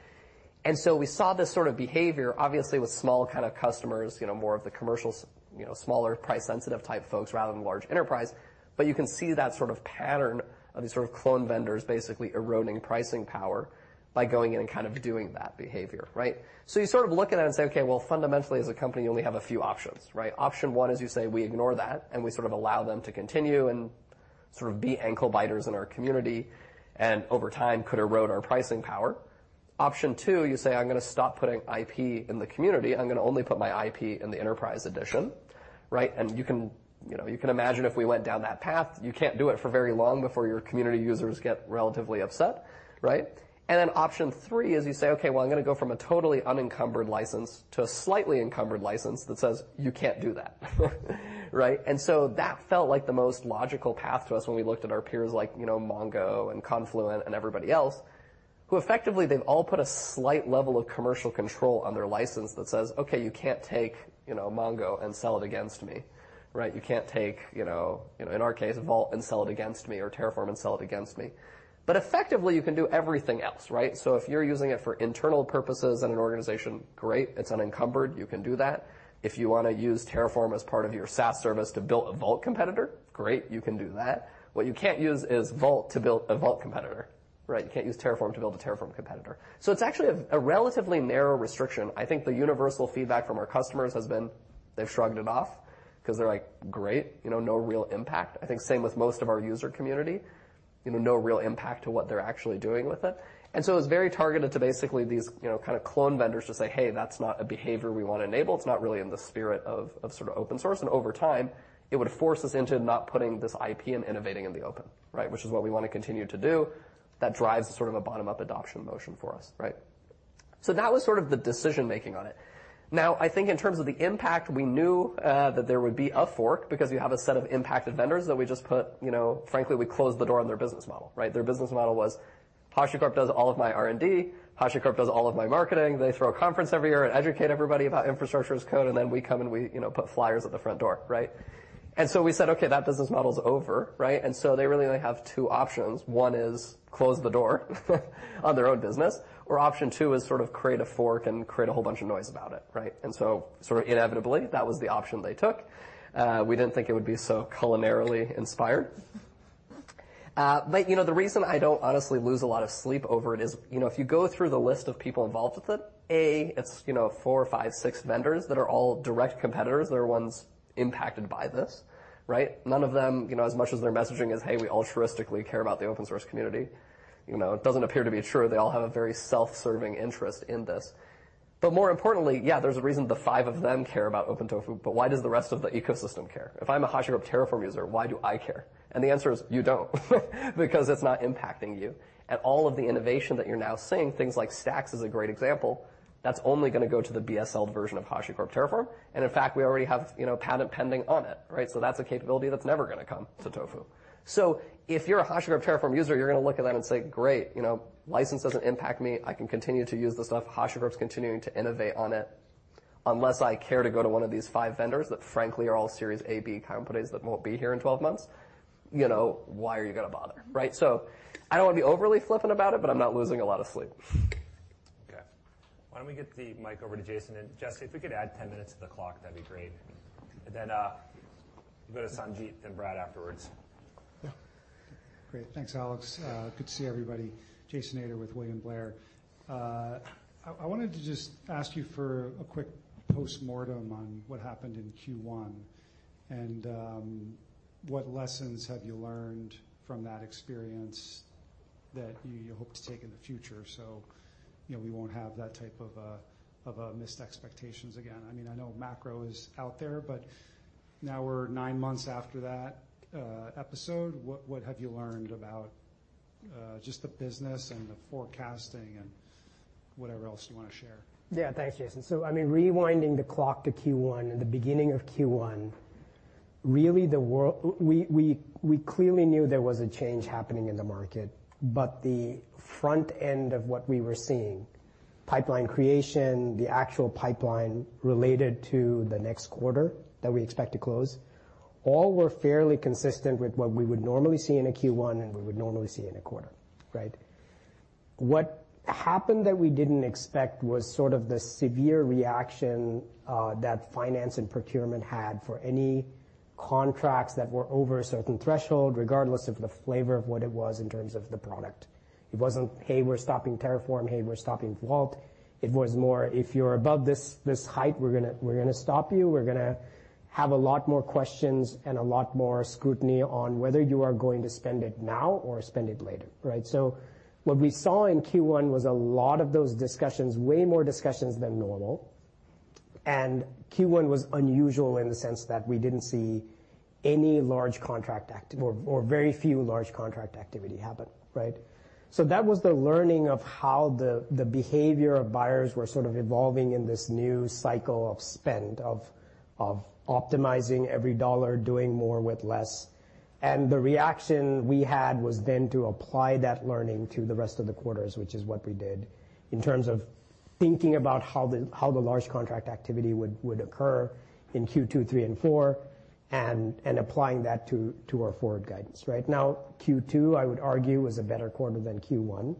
We saw this sort of behavior, obviously, with small kind of customers, you know, more of the commercial s- you know, smaller, price-sensitive type folks rather than large enterprise. But you can see that sort of pattern of these sort of clone vendors basically eroding pricing power by going in and kind of doing that behavior, right? So you sort of look at it and say, "Okay, well, fundamentally, as a company, you only have a few options, right?" Option one is you say, we ignore that, and we sort of allow them to continue and sort of be ankle biters in our community, and over time, could erode our pricing power. Option two, you say, I'm gonna stop putting IP in the community. I'm gonna only put my IP in the enterprise edition, right? And you can, you know, you can imagine if we went down that path, you can't do it for very long before your community users get relatively upset, right? Option three is you say, "Okay, well, I'm gonna go from a totally unencumbered license to a slightly encumbered license that says, 'You can't do that.'" Right? That felt like the most logical path to us when we looked at our peers like, you know, Mongo and Confluent and everybody else, who effectively, they've all put a slight level of commercial control on their license that says, "Okay, you can't take, you know, Mongo and sell it against me," right? You can't take, you know, you know, in our case, a Vault and sell it against me or Terraform and sell it against me. Effectively, you can do everything else, right? If you're using it for internal purposes in an organization, great, it's unencumbered. You can do that. If you wanna use Terraform as part of your SaaS service to build a Vault competitor, great, you can do that. What you can't use is Vault to build a Vault competitor, right? You can't use Terraform to build a Terraform competitor. So it's actually a relatively narrow restriction. I think the universal feedback from our customers has been, they've shrugged it off because they're like, "Great, you know, no real impact." I think same with most of our user community, you know, no real impact to what they're actually doing with it. And so it's very targeted to basically these, you know, kind of clone vendors to say, "Hey, that's not a behavior we want to enable. It's not really in the spirit of sort of open source, and over time, it would force us into not putting this IP and innovating in the open," right? Which is what we want to continue to do. That drives sort of a bottom-up adoption motion for us, right? So that was sort of the decision-making on it. Now, I think in terms of the impact, we knew that there would be a fork because you have a set of impacted vendors that we just put, you know, frankly, we closed the door on their business model, right? Their business model was, HashiCorp does all of my R&D, HashiCorp does all of my marketing. They throw a conference every year and educate everybody about infrastructure as code, and then we come, and we, you know, put flyers at the front door, right? And so we said, "Okay, that business model is over," right? And so they really only have two options. One is close the door on their own business, or option two is sort of create a fork and create a whole bunch of noise about it, right? And so sort of inevitably, that was the option they took. We didn't think it would be so culinarily inspired. But, you know, the reason I don't honestly lose a lot of sleep over it is, you know, if you go through the list of people involved with it, A, it's, you know, four, five, six vendors that are all direct competitors. They're ones impacted by this, right? None of them, you know, as much as their messaging is, "Hey, we altruistically care about the open source community," you know, it doesn't appear to be true. They all have a very self-serving interest in this. But more importantly, yeah, there's a reason the five of them care about OpenTofu, but why does the rest of the ecosystem care? If I'm a HashiCorp Terraform user, why do I care? And the answer is, you don't, because it's not impacting you. And all of the innovation that you're now seeing, things like Stack is a great example, that's only going to go to the BSL version of HashiCorp Terraform, and in fact, we already have, you know, patent pending on it, right? So that's a capability that's never going to come to Tofu. So if you're a HashiCorp Terraform user, you're going to look at that and say, "Great, you know, license doesn't impact me. I can continue to use the stuff. HashiCorp is continuing to innovate on it." Unless I care to go to one of these five vendors that, frankly, are all Series A, B companies that won't be here in 12 months, you know, why are you going to bother, right? So I don't want to be overly flippant about it, but I'm not losing a lot of sleep. Okay. Why don't we get the mic over to Jason, and Jesse, if we could add 10 minutes to the clock, that'd be great. And then, go to Sanjit and Brad afterwards. Yeah. Great. Thanks, Alex. Good to see everybody. Jason Ader with William Blair. I wanted to just ask you for a quick postmortem on what happened in Q1, and what lessons have you learned from that experience that you hope to take in the future so, you know, we won't have that type of missed expectations again? I mean, I know macro is out there, but now we're nine months after that episode. What have you learned about just the business and the forecasting and whatever else you want to share? Yeah, thanks, Jason. So, I mean, rewinding the clock to Q1 and the beginning of Q1, really, the world... We clearly knew there was a change happening in the market, but the front end of what we were seeing, pipeline creation, the actual pipeline related to the next quarter that we expect to close, all were fairly consistent with what we would normally see in a Q1 and we would normally see in a quarter, right? What happened that we didn't expect was sort of the severe reaction that finance and procurement had for any contracts that were over a certain threshold, regardless of the flavor of what it was in terms of the product. It wasn't, "Hey, we're stopping Terraform. Hey, we're stopping Vault." It was more, "If you're above this, this height, we're gonna stop you. We're gonna have a lot more questions and a lot more scrutiny on whether you are going to spend it now or spend it later," right? So what we saw in Q1 was a lot of those discussions, way more discussions than normal. And Q1 was unusual in the sense that we didn't see any large contract act or, or very few large contract activity happen, right? So that was the learning of how the, the behavior of buyers were sort of evolving in this new cycle of spend, of, of optimizing every dollar, doing more with less. And the reaction we had was then to apply that learning to the rest of the quarters, which is what we did in terms of thinking about how the, how the large contract activity would, would occur in Q2, three, and four, and, and applying that to, to our forward guidance. Right now, Q2, I would argue, was a better quarter than Q1.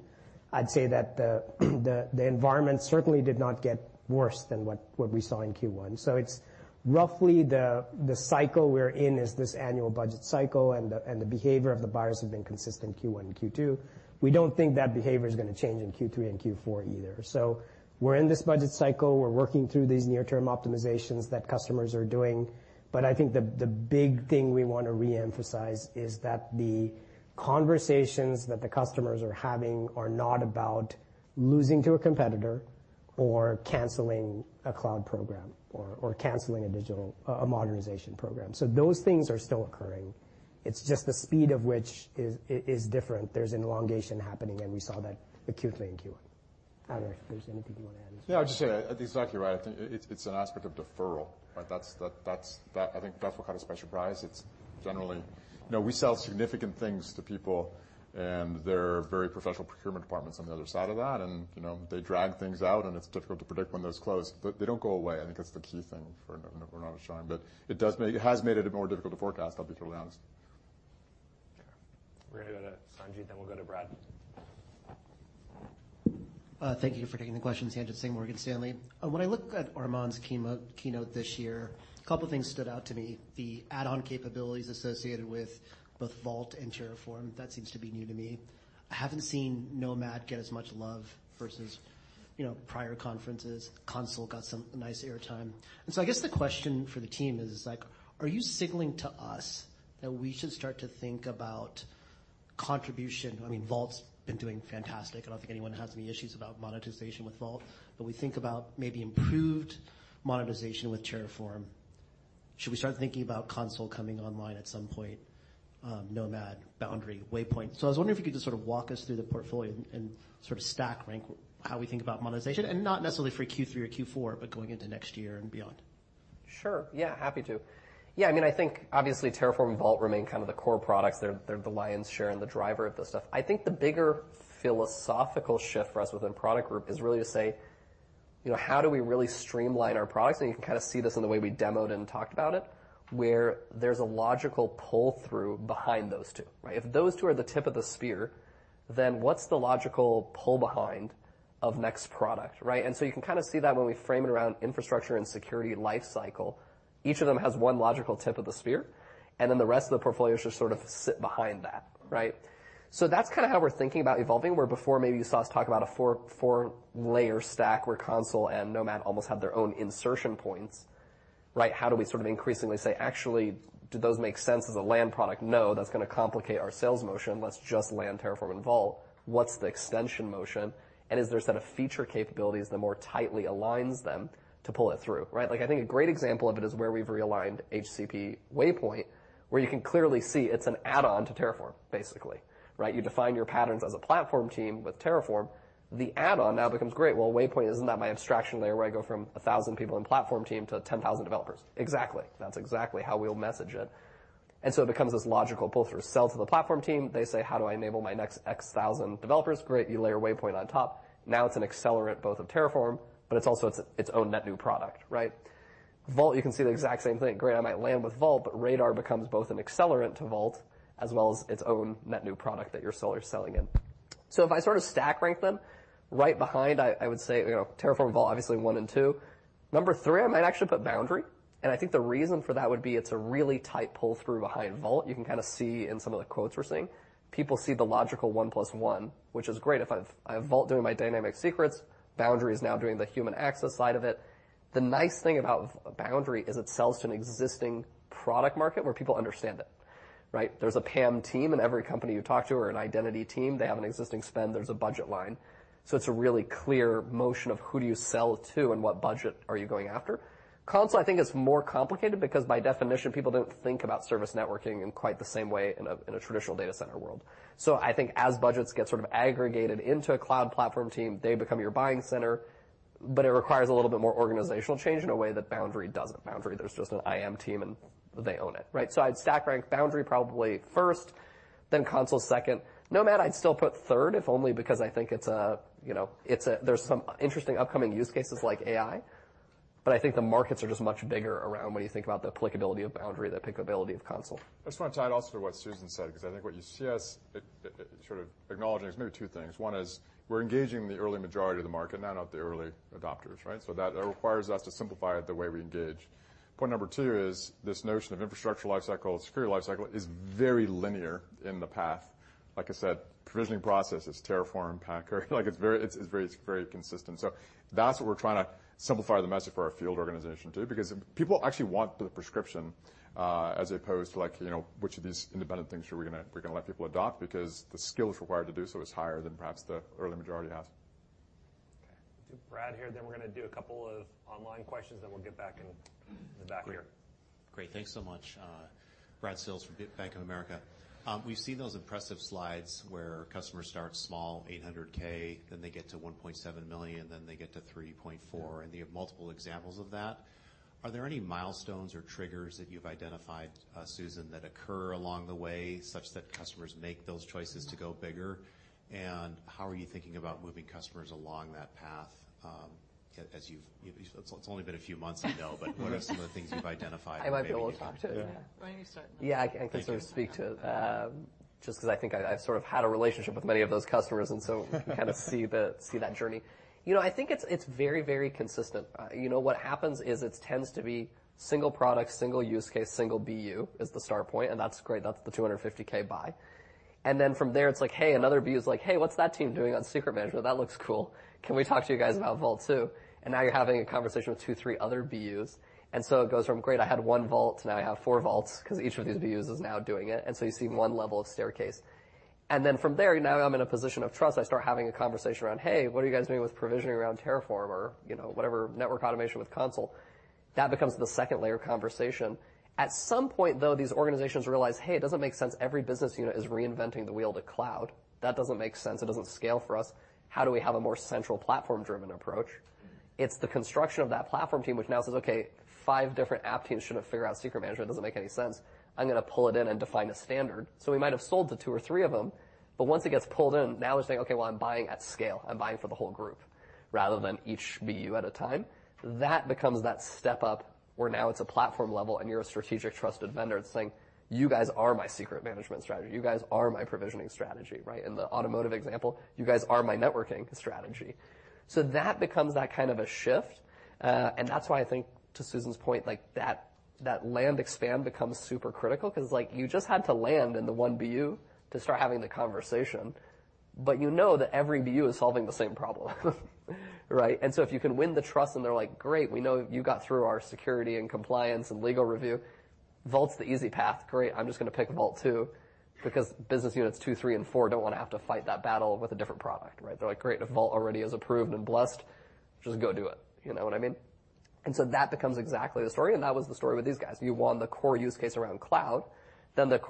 I'd say that the environment certainly did not get worse than what we saw in Q1. So it's roughly the cycle we're in is this annual budget cycle, and the behavior of the buyers have been consistent in Q1 and Q2. We don't think that behavior is going to change in Q3 and Q4 either. So we're in this budget cycle, we're working through these near-term optimizations that customers are doing, but I think the big thing we want to reemphasize is that the conversations that the customers are having are not about losing to a competitor or canceling a cloud program or canceling a digital... a modernization program. So those things are still occurring. It's just the speed of which is different. There's an elongation happening, and we saw that acutely in Q1. I don't know if there's anything you want to add. Yeah, I'll just say exactly right. I think it's an aspect of deferral, right? That's what caught us by surprise. It's generally, you know, we sell significant things to people, and there are very professional procurement departments on the other side of that, and, you know, they drag things out, and it's difficult to predict when those close. But they don't go away. I think that's the key thing for rain or shine. But it does make... It has made it more difficult to forecast, I'll be totally honest. We're going to go to Sanjit, then we'll go to Brad. Thank you for taking the questions, Sanjit Singh, Morgan Stanley. When I look at Armon's keynote this year, a couple things stood out to me. The add-on capabilities associated with both Vault and Terraform, that seems to be new to me. I haven't seen Nomad get as much love versus, you know, prior conferences. Consul got some nice airtime. And so I guess the question for the team is, like, are you signaling to us that we should start to think about consumption? I mean, Vault's been doing fantastic. I don't think anyone has any issues about monetization with Vault. But we think about maybe improved monetization with Terraform. Should we start thinking about Consul coming online at some point, Nomad, Boundary, Waypoint? I was wondering if you could just sort of walk us through the portfolio and sort of stack rank how we think about monetization, and not necessarily for Q3 or Q4, but going into next year and beyond? Sure. Yeah, happy to. Yeah, I mean, I think obviously Terraform and Vault remain kind of the core products. They're, they're the lion's share and the driver of this stuff. I think the bigger philosophical shift for us within product group is really to say, you know, how do we really streamline our products? And you can kind of see this in the way we demoed and talked about it, where there's a logical pull-through behind those two, right? If those two are the tip of the spear, then what's the logical pull behind of next product, right? And so you can kind of see that when we frame it around infrastructure and Security Lifecycle. Each of them has one logical tip of the spear, and then the rest of the portfolios just sort of sit behind that, right? So that's kinda how we're thinking about evolving, where before, maybe you saw us talk about a four-layer stack, where Consul and Nomad almost have their own insertion points, right? How do we sort of increasingly say, "Actually, do those make sense as a land product? No, that's gonna complicate our sales motion. Let's just land Terraform and Vault. What's the extension motion, and is there a set of feature capabilities that more tightly aligns them to pull it through," right? Like, I think a great example of it is where we've realigned HCP Waypoint, where you can clearly see it's an add-on to Terraform, basically, right? You define your patterns as a platform team with Terraform. The add-on now becomes great. Well, Waypoint, isn't that my abstraction layer, where I go from 1,000 people in platform team to 10,000 developers? Exactly. That's exactly how we'll message it. And so it becomes this logical pull-through sell to the platform team. They say: How do I enable my next x thousand developers? Great, you layer Waypoint on top. Now it's an accelerant, both of Terraform, but it's also its, its own net new product, right? Vault, you can see the exact same thing. Great, I might land with Vault, but Radar becomes both an accelerant to Vault, as well as its own net new product that your sellers selling in. So if I sort of stack rank them, right behind, I, I would say, you know, Terraform and Vault, obviously one and two. Number three, I might actually put Boundary, and I think the reason for that would be it's a really tight pull-through behind Vault. You can kinda see in some of the quotes we're seeing. People see the logical one plus one, which is great. If I have Vault doing my dynamic secrets, Boundary is now doing the human access side of it. The nice thing about Boundary is it sells to an existing product market where people understand it, right? There's a PAM team in every company you talk to or an identity team. They have an existing spend. There's a budget line. So it's a really clear motion of who do you sell to and what budget are you going after. Consul, I think, is more complicated because, by definition, people don't think about service networking in quite the same way in a traditional data center world. So I think as budgets get sort of aggregated into a cloud platform team, they become your buying center, but it requires a little bit more organizational change in a way that Boundary doesn't. Boundary, there's just an IAM team, and they own it, right? So I'd stack rank Boundary probably first, then Consul second. Nomad, I'd still put third, if only because I think it's a, you know, it's a—there's some interesting upcoming use cases like AI, but I think the markets are just much bigger around when you think about the applicability of Boundary, the applicability of Consul. I just wanna tie it also to what Susan said, because I think what you see us, it, it sort of acknowledging is maybe two things. One is we're engaging the early majority of the market, not, not the early adopters, right? That requires us to simplify it the way we engage. Point number two is this notion of Infrastructure Lifecycle, Security Lifecycle is very linear in the path. Like I said, provisioning process is Terraform, Packer. Like, it's very, it's, it's very, very consistent. That's what we're trying to simplify the message for our field organization, too, because people actually want the prescription, you know, as opposed to like, you know, which of these independent things are we gonna, we're gonna let people adopt, because the skills required to do so is higher than perhaps the early majority has. Okay. Brad here, then we're gonna do a couple of online questions, then we'll get back in the back here. Great. Thanks so much. Brad Sills from Bank of America. We've seen those impressive slides where customers start small, $800,000, then they get to $1.7 million, then they get to $3.4 million, and they have multiple examples of that. Are there any milestones or triggers that you've identified, Susan, that occur along the way, such that customers make those choices to go bigger? And how are you thinking about moving customers along that path, as you've... It's only been a few months, I know, but what are some of the things you've identified? I might be able to talk to it. Why don't you start? Yeah, I can sort of speak to, just 'cause I think I've sort of had a relationship with many of those customers, and so kind of see the, see that journey. You know, I think it's, it's very, very consistent. You know, what happens is it tends to be single product, single use case, single BU is the start point, and that's great. That's the $250,000 buy. And then from there, it's like, "Hey," another BU is like, "Hey, what's that team doing on secret management? That looks cool. Can we talk to you guys about Vault, too?" And now you're having a conversation with two, three other BUs. And so it goes from, "Great, I had one Vault, now I have four Vaults," 'cause each of these BUs is now doing it, and so you see one level of staircase. And then from there, now I'm in a position of trust. I start having a conversation around: Hey, what are you guys doing with provisioning around Terraform or, you know, whatever, network automation with Consul? That becomes the second layer of conversation. At some point, though, these organizations realize, "Hey, it doesn't make sense. Every business unit is reinventing the wheel to cloud. That doesn't make sense. It doesn't scale for us. How do we have a more central, platform-driven approach?" It's the construction of that platform team, which now says: Okay, five different app teams shouldn't figure out secret management. It doesn't make any sense. I'm gonna pull it in and define a standard. So we might have sold to two or three of them, but once it gets pulled in, now it's like: Okay, well, I'm buying at scale. I'm buying for the whole group.... rather than each BU at a time, that becomes that step up, where now it's a platform level, and you're a strategic trusted vendor. It's saying: You guys are my secret management strategy. You guys are my provisioning strategy, right? In the automotive example, you guys are my networking strategy. So that becomes that kind of a shift. And that's why I think, to Susan's point, like, that, that land expand becomes super critical because, like, you just had to land in the one BU to start having the conversation, but you know that every BU is solving the same problem. Right? And so if you can win the trust, and they're like: Great, we know you got through our security, and compliance, and legal review, Vault's the easy path. Great, I'm just gonna pick Vault 2, because business units 2, 3, and 4 don't want to have to fight that battle with a different product, right? They're like: Great, if Vault already is approved and blessed, just go do it. You know what I mean? And so that becomes exactly the story, and that was the story with these guys. You won the core use case around cloud, then they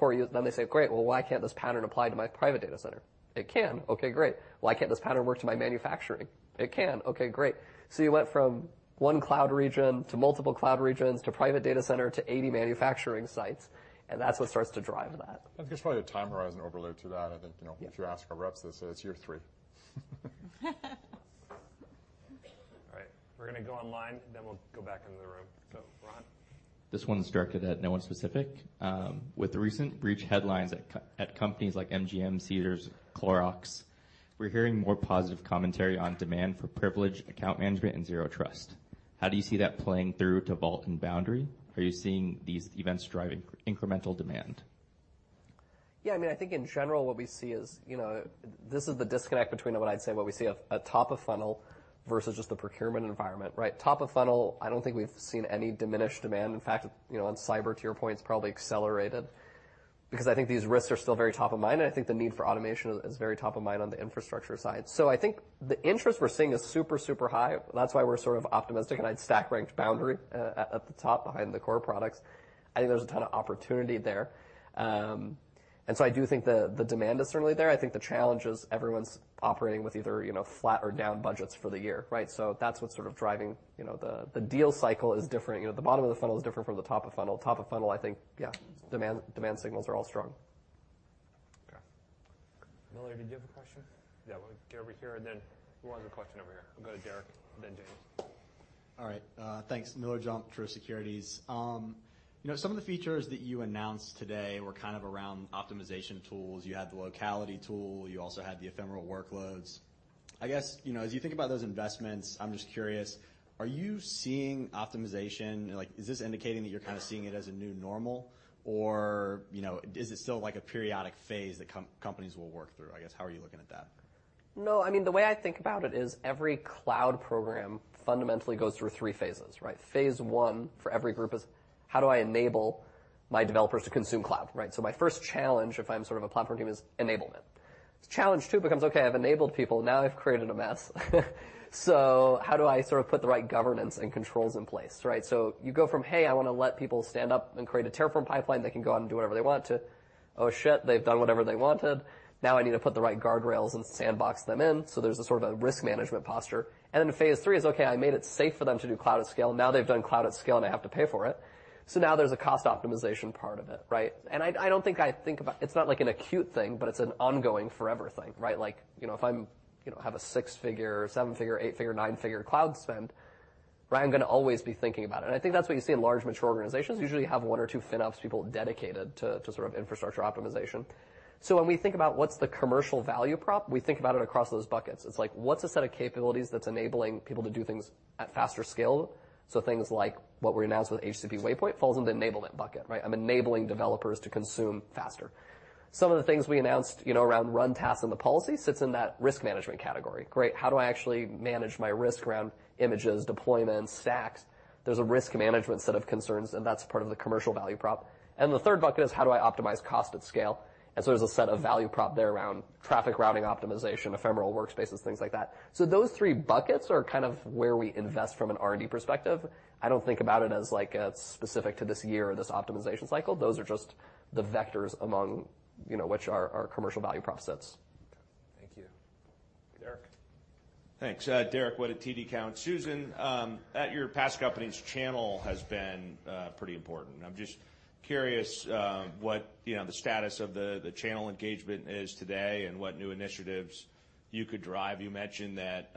say: Great, well, why can't this pattern apply to my private data center? It can. Okay, great. Why can't this pattern work to my manufacturing? It can. Okay, great. So you went from one cloud region to multiple cloud regions, to private data center, to 80 manufacturing sites, and that's what starts to drive that. I think there's probably a time horizon overlay to that. I think, you know, if you ask our reps, they'll say it's year three. All right, we're gonna go online, then we'll go back into the room. So Ron? This one's directed at no one specific. With the recent breach headlines at companies like MGM, Cedars, Clorox, we're hearing more positive commentary on demand for privileged account management and zero trust. How do you see that playing through to Vault and Boundary? Are you seeing these events driving incremental demand? Yeah, I mean, I think in general, what we see is, you know, this is the disconnect between what I'd say, what we see a top of funnel versus just the procurement environment, right? Top of funnel, I don't think we've seen any diminished demand. In fact, you know, on cyber, to your point, it's probably accelerated because I think these risks are still very top of mind, and I think the need for automation is very top of mind on the infrastructure side. So I think the interest we're seeing is super, super high. That's why we're sort of optimistic, and I'd stack rank Boundary at the top behind the core products. I think there's a ton of opportunity there. And so I do think the demand is certainly there. I think the challenge is everyone's operating with either, you know, flat or down budgets for the year, right? So that's what's sort of driving... You know, the deal cycle is different. You know, the bottom of the funnel is different from the top of funnel. Top of funnel, I think, yeah, demand, demand signals are all strong. Okay. Miller, did you have a question? Yeah, we'll get over here, and then we'll have a question over here. I'll go to Derek, then James. All right, thanks. Miller Jump, Truist Securities. You know, some of the features that you announced today were kind of around optimization tools. You had the locality tool. You also had the ephemeral workloads. I guess, you know, as you think about those investments, I'm just curious, are you seeing optimization? Like, is this indicating that you're kind of seeing it as a new normal, or, you know, is it still like a periodic phase that companies will work through? I guess, how are you looking at that? No, I mean, the way I think about it is every cloud program fundamentally goes through three phases, right? Phase one for every group is: How do I enable my developers to consume cloud, right? So my first challenge, if I'm sort of a platform team, is enablement. Challenge two becomes, okay, I've enabled people, now I've created a mess. So how do I sort of put the right governance and controls in place, right? So you go from, "Hey, I want to let people stand up and create a Terraform pipeline. They can go out and do whatever they want," to, "Oh, shit, they've done whatever they wanted. Now I need to put the right guardrails and sandbox them in." So there's a sort of a risk management posture. And then phase three is, okay, I made it safe for them to do cloud at scale. Now they've done cloud at scale, and I have to pay for it. Now there's a cost optimization part of it, right? I don't think I think about... It's not like an acute thing, but it's an ongoing forever thing, right? Like, you know, if I'm, you know, have a six-figure, seven-figure, eight-figure, nine-figure cloud spend, right, I'm gonna always be thinking about it. I think that's what you see in large, mature organizations, usually have one or two FinOps people dedicated to, to sort of infrastructure optimization. When we think about what's the commercial value prop, we think about it across those buckets. It's like, what's a set of capabilities that's enabling people to do things at faster scale? Things like what we announced with HCP Waypoint falls in the enablement bucket, right? I'm enabling developers to consume faster. Some of the things we announced, you know, around Run Tasks and the policy sits in that risk management category. Great, how do I actually manage my risk around images, deployments, Stacks? There's a risk management set of concerns, and that's part of the commercial value prop. And the third bucket is how do I optimize cost at scale? And so there's a set of value prop there around traffic routing optimization, ephemeral workspaces, things like that. So those three buckets are kind of where we invest from an R&D perspective. I don't think about it as like, specific to this year or this optimization cycle. Those are just the vectors among, you know, which are our commercial value prop sets. Thank you. Derek? Thanks. Derek Wood at TD Cowen. Susan, at your past companies, channel has been pretty important. I'm just curious what, you know, the status of the channel engagement is today and what new initiatives you could drive. You mentioned that,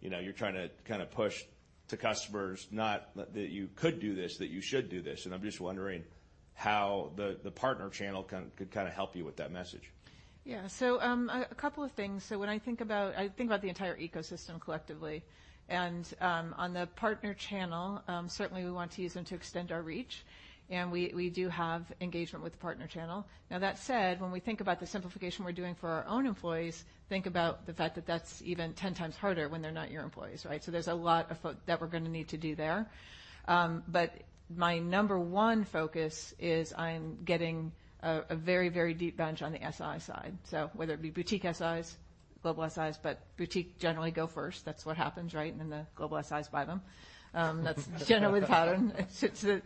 you know, you're trying to kind of push to customers, not that you could do this, that you should do this, and I'm just wondering how the partner channel could kind of help you with that message. Yeah. So, a couple of things. So when I think about... I think about the entire ecosystem collectively. And, on the partner channel, certainly we want to use them to extend our reach, and we do have engagement with the partner channel. Now, that said, when we think about the simplification we're doing for our own employees, think about the fact that that's even ten times harder when they're not your employees, right? So there's a lot of footwork that we're gonna need to do there. But my number one focus is I'm getting a very, very deep bench on the SI side. So whether it be boutique SIs, global SIs, but boutique generally go first. That's what happens, right? And then the global SIs buy them. That's generally the pattern. It's, it...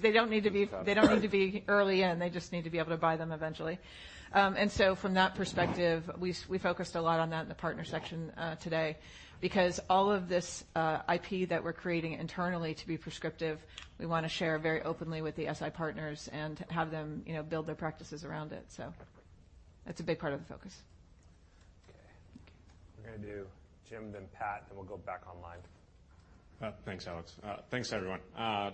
They don't need to be- Right. They don't need to be early in, they just need to be able to buy them eventually. And so from that perspective, we focused a lot on that in the partner section, today, because all of this IP that we're creating internally to be prescriptive, we want to share very openly with the SI partners and have them, you know, build their practices around it, so. That's a big part of the focus. Okay. We're gonna do Jim, then Pat, and we'll go back online. Thanks, Alex. Thanks, everyone.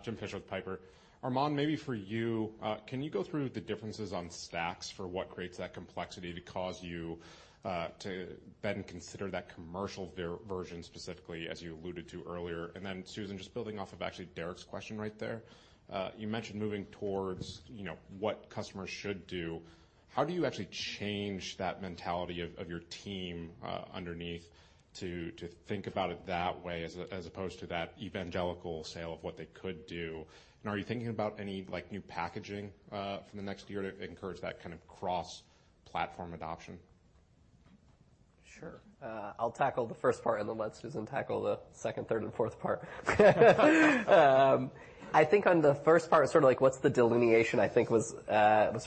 Jim Fish with Piper. Armon, maybe for you, can you go through the differences on Stacks for what creates that complexity to cause you to then consider that commercial version specifically, as you alluded to earlier? And then, Susan, just building off of actually Derek's question right there, you mentioned moving towards, you know, what customers should do. How do you actually change that mentality of your team underneath to think about it that way as opposed to that evangelical sale of what they could do? And are you thinking about any, like, new packaging for the next year to encourage that kind of cross-platform adoption? Sure. I'll tackle the first part, and then let Susan tackle the second, third, and fourth part. I think on the first part, sort of like, what's the delineation, I think, was sort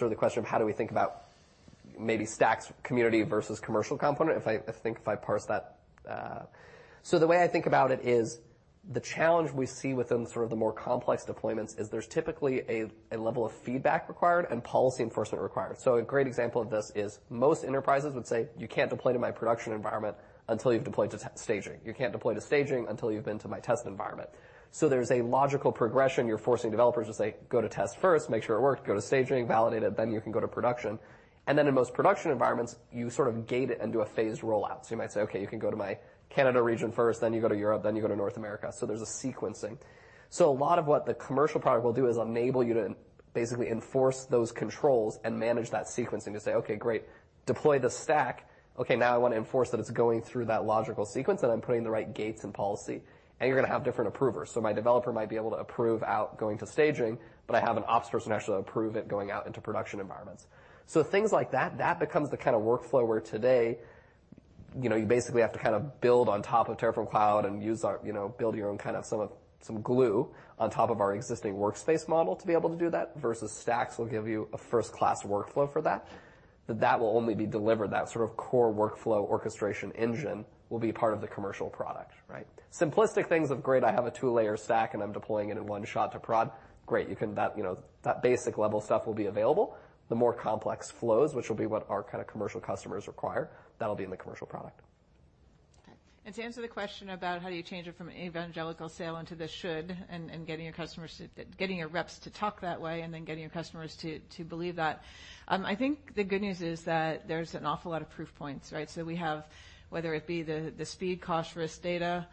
of the question of how do we think about maybe Stacks community versus commercial component, if I... I think if I parse that. The way I think about it is the challenge we see within sort of the more complex deployments is there's typically a level of feedback required and policy enforcement required. A great example of this is most enterprises would say, "You can't deploy to my production environment until you've deployed to staging. You can't deploy to staging until you've been to my test environment." There's a logical progression. You're forcing developers to say, "Go to test first, make sure it works, go to staging, validate it, then you can go to production." And then in most production environments, you sort of gate it into a phased rollout. So you might say, "Okay, you can go to my Canada region first, then you go to Europe, then you go to North America." So there's a sequencing. So a lot of what the commercial product will do is enable you to basically enforce those controls and manage that sequencing to say, "Okay, great, deploy the stack. Okay, now I want to enforce that it's going through that logical sequence, and I'm putting the right gates and policy," and you're gonna have different approvers. So my developer might be able to approve out going to staging, but I have an ops person actually approve it going out into production environments. So things like that, that becomes the kind of workflow where today, you know, you basically have to kind of build on top of Terraform Cloud and use our, you know, build your own kind of some glue on top of our existing workspace model to be able to do that, versus Stacks will give you a first-class workflow for that. But that will only be delivered, that sort of core workflow orchestration engine will be part of the commercial product, right? Simplistic things of, great, I have a two-layer stack, and I'm deploying it in one shot to prod. Great, you can that, you know, that basic level stuff will be available. The more complex flows, which will be what our kind of commercial customers require, that'll be in the commercial product. Okay. And to answer the question about how do you change it from evangelical sale into the should and, and getting your reps to talk that way and then getting your customers to believe that, I think the good news is that there's an awful lot of proof points, right? So we have, whether it be the speed, cost, risk, data,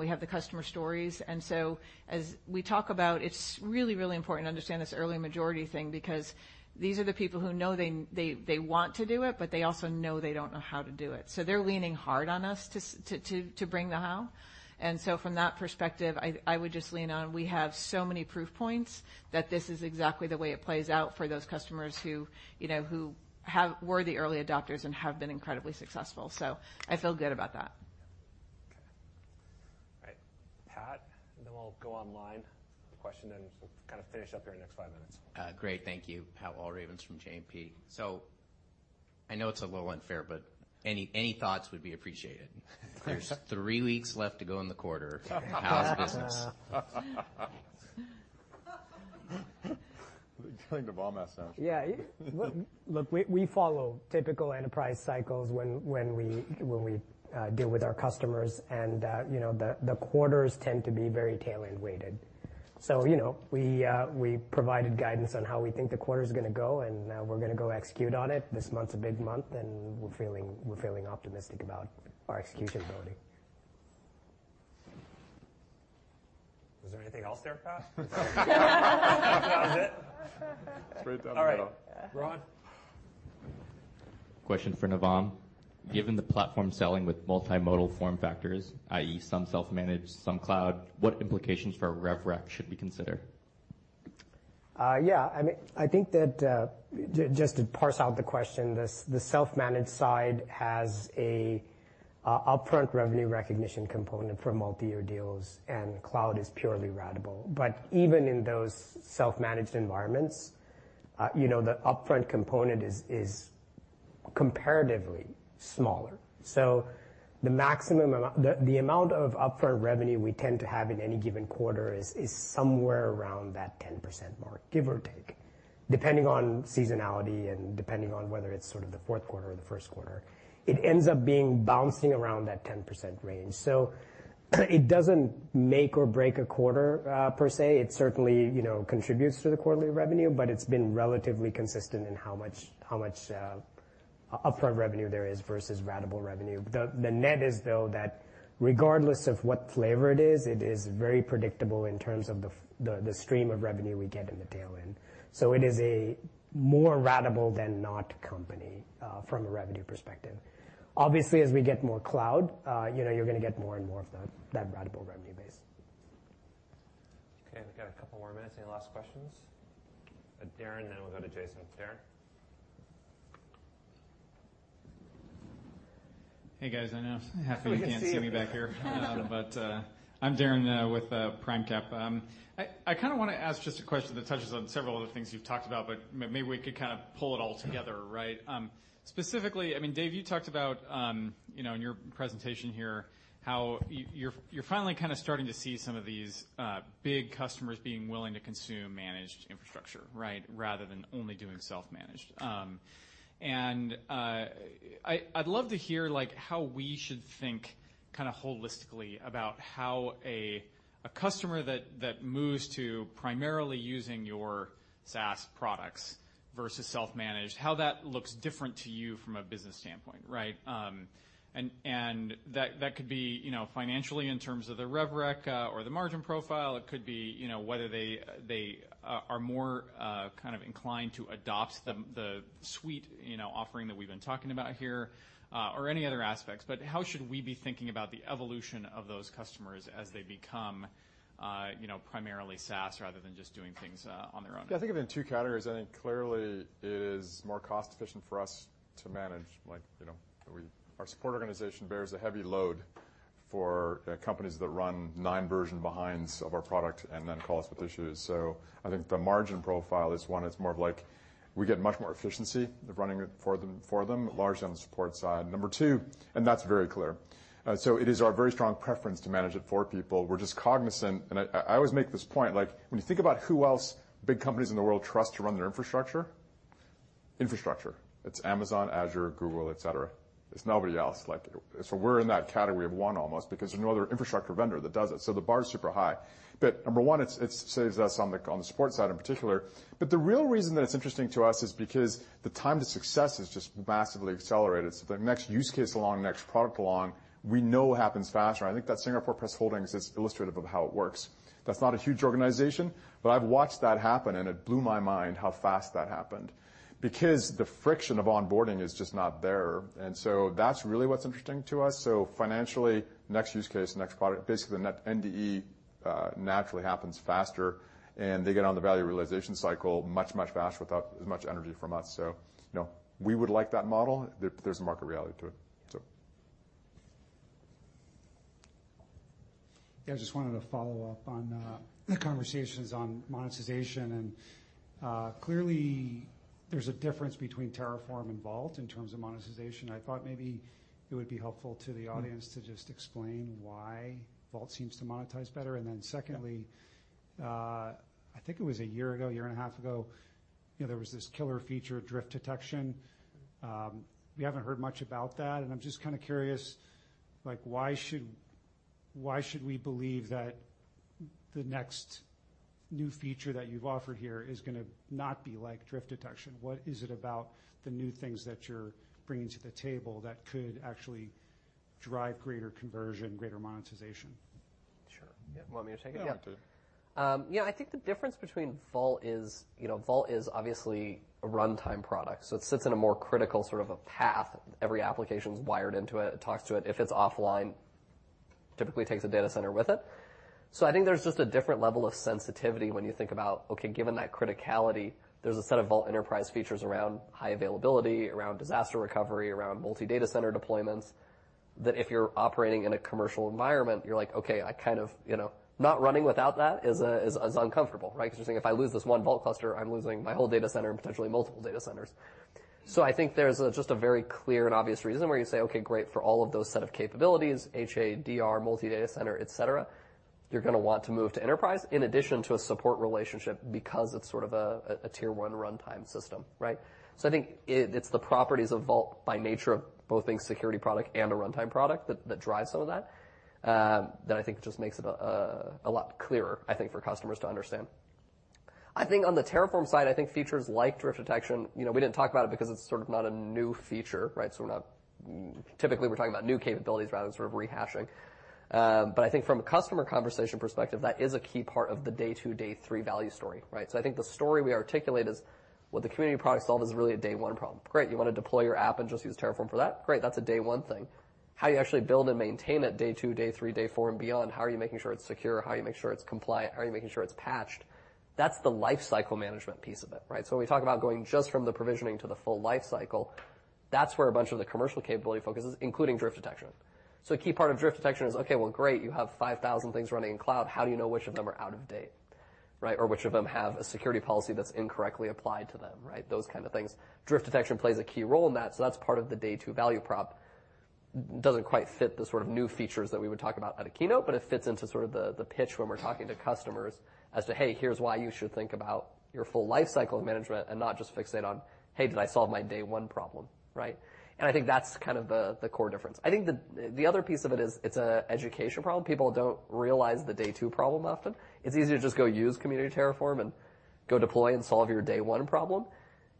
we have the customer stories. And so as we talk about, it's really, really important to understand this early majority thing because these are the people who know they want to do it, but they also know they don't know how to do it. So they're leaning hard on us to bring the how. So from that perspective, I would just lean on, we have so many proof points that this is exactly the way it plays out for those customers who, you know, who have... were the early adopters and have been incredibly successful. So I feel good about that. Okay. All right, Pat, and then we'll go online question, and kind of finish up here in the next five minutes. Great. Thank you. Pat Walravens from JMP. So I know it's a little unfair, but any thoughts would be appreciated. There's three weeks left to go in the quarter. How's business? They're telling the bomb assassin. Yeah, look, we follow typical enterprise cycles when we deal with our customers, and you know, the quarters tend to be very tail-end weighted. So, you know, we provided guidance on how we think the quarter is gonna go, and we're gonna go execute on it. This month's a big month, and we're feeling optimistic about our execution ability. Was there anything else there, Pat? That was it? Straight down the middle. All right. Ron? Question for Navam. Given the platform selling with multimodal form factors, i.e., some self-managed, some cloud, what implications for rev rec should we consider? Yeah, I mean, I think that just to parse out the question, the self-managed side has an upfront revenue recognition component for multiyear deals, and cloud is purely ratable. But even in those self-managed environments, you know, the upfront component is comparatively smaller. So the maximum amount... The amount of upfront revenue we tend to have in any given quarter is somewhere around that 10% mark, give or take, depending on seasonality and depending on whether it's sort of the fourth quarter or the first quarter. It ends up being bouncing around that 10% range. So it doesn't make or break a quarter, per se. It certainly, you know, contributes to the quarterly revenue, but it's been relatively consistent in how much upfront revenue there is versus ratable revenue. The net is, though, that regardless of what flavor it is, it is very predictable in terms of the stream of revenue we get in the tail end. So it is a more ratable than not company, from a revenue perspective. Obviously, as we get more cloud, you know, you're gonna get more and more of that, that ratable revenue base. Okay, we've got a couple more minutes. Any last questions? Darren, then we'll go to Jason. Darren? Hey, guys. I know half of you can't see me back here. But, I'm Darren, with PRIMECAP. I kinda wanna ask just a question that touches on several of the things you've talked about, but maybe we could kind of pull it all together, right? Specifically, I mean, Dave, you talked about, you know, in your presentation here, how you're finally kinda starting to see some of these big customers being willing to consume managed infrastructure, right? Rather than only doing self-managed. And I’d love to hear, like, how we should think kinda holistically about how a customer that moves to primarily using your SaaS products versus self-managed, how that looks different to you from a business standpoint, right? And that could be, you know, financially in terms of the rev rec, or the margin profile. It could be, you know, whether they are more kind of inclined to adopt the suite, you know, offering that we've been talking about here, or any other aspects. But how should we be thinking about the evolution of those customers as they become, you know, primarily SaaS rather than just doing things on their own? Yeah, I think of it in two categories. I think clearly it is more cost-efficient for us to manage. Like, you know, we... Our support organization bears a heavy load for companies that run nine versions behind of our product and then call us with issues. So I think the margin profile is one, it's more of like we get much more efficiency of running it for them, for them, largely on the support side. Number two... And that's very clear. So it is our very strong preference to manage it for people. We're just cognizant, and I, I always make this point, like, when you think about who else big companies in the world trust to run their infrastructure, infrastructure, it's Amazon, Azure, Google, et cetera. It's nobody else. Like, we're in that category of one almost, because there's no other infrastructure vendor that does it, so the bar is super high. Number one, it saves us on the support side, in particular. The real reason that it's interesting to us is because the time to success is just massively accelerated. The next use case along, the next product along, we know happens faster. I think that Singapore Press Holdings is illustrative of how it works. That's not a huge organization, but I've watched that happen, and it blew my mind how fast that happened because the friction of onboarding is just not there. That's really what's interesting to us. Financially, next use case, next product. Basically, the net NDE naturally happens faster, and they get on the value realization cycle much, much faster without as much energy from us. So, you know, we would like that model. There, there's a market reality to it, so. Yeah, I just wanted to follow up on the conversations on monetization. And clearly, there's a difference between Terraform and Vault in terms of monetization. I thought maybe it would be helpful to the audience to just explain why Vault seems to monetize better. And then secondly, I think it was a year ago, a year and a half ago, you know, there was this killer feature, drift detection. We haven't heard much about that, and I'm just kinda curious, like, why should we believe that the next new feature that you've offered here is gonna not be like drift detection? What is it about the new things that you're bringing to the table that could actually drive greater conversion, greater monetization? Sure. Yeah, you want me to take it? Yeah. Yeah, I think the difference between Vault is, you know, Vault is obviously a runtime product, so it sits in a more critical sort of a path. Every application is wired into it. It talks to it. If it's offline, typically takes a data center with it. So I think there's just a different level of sensitivity when you think about, okay, given that criticality, there's a set of Vault Enterprise features around high availability, around disaster recovery, around multi-data center deployments, that if you're operating in a commercial environment, you're like: Okay, I kind of... You know, not running without that is uncomfortable, right? Because you're saying, if I lose this one Vault cluster, I'm losing my whole data center and potentially multiple data centers. So I think there's just a very clear and obvious reason where you say, "Okay, great, for all of those set of capabilities, HA, DR, multi-data center, et cetera, you're gonna want to move to enterprise in addition to a support relationship, because it's sort of a, a Tier One runtime system," right? So I think it, it's the properties of Vault by nature of both being a security product and a runtime product that, that drives some of that. That I think just makes it a lot clearer, I think, for customers to understand. I think on the Terraform side, I think features like drift detection, you know, we didn't talk about it because it's sort of not a new feature, right? So we're not... Typically, we're talking about new capabilities rather than sort of rehashing. But, I think from a customer conversation perspective, that is a key part of the day two, day three value story, right? So I think the story we articulate is, what the community products solve is really a day one problem. Great, you want to deploy your app and just use Terraform for that? Great, that's a day one thing. How you actually build and maintain it, day two, day three, day four, and beyond, how are you making sure it's secure? How are you making sure it's compliant? How are you making sure it's patched? That's the lifecycle management piece of it, right? So when we talk about going just from the provisioning to the full life cycle, that's where a bunch of the commercial capability focuses, including drift detection. So a key part of drift detection is: Okay, well, great, you have 5,000 things running in cloud. How do you know which of them are out of date, right? Or which of them have a security policy that's incorrectly applied to them, right? Those kind of things. Drift detection plays a key role in that, so that's part of the day two value prop. Doesn't quite fit the sort of new features that we would talk about at a keynote, but it fits into sort of the, the pitch when we're talking to customers as to, "Hey, here's why you should think about your full lifecycle management and not just fixate on, 'Hey, did I solve my day one problem?'" Right? And I think that's kind of the, the core difference. I think the, the other piece of it is, it's a education problem. People don't realize the day two problem often. It's easier to just go use community Terraform and go deploy and solve your day one problem.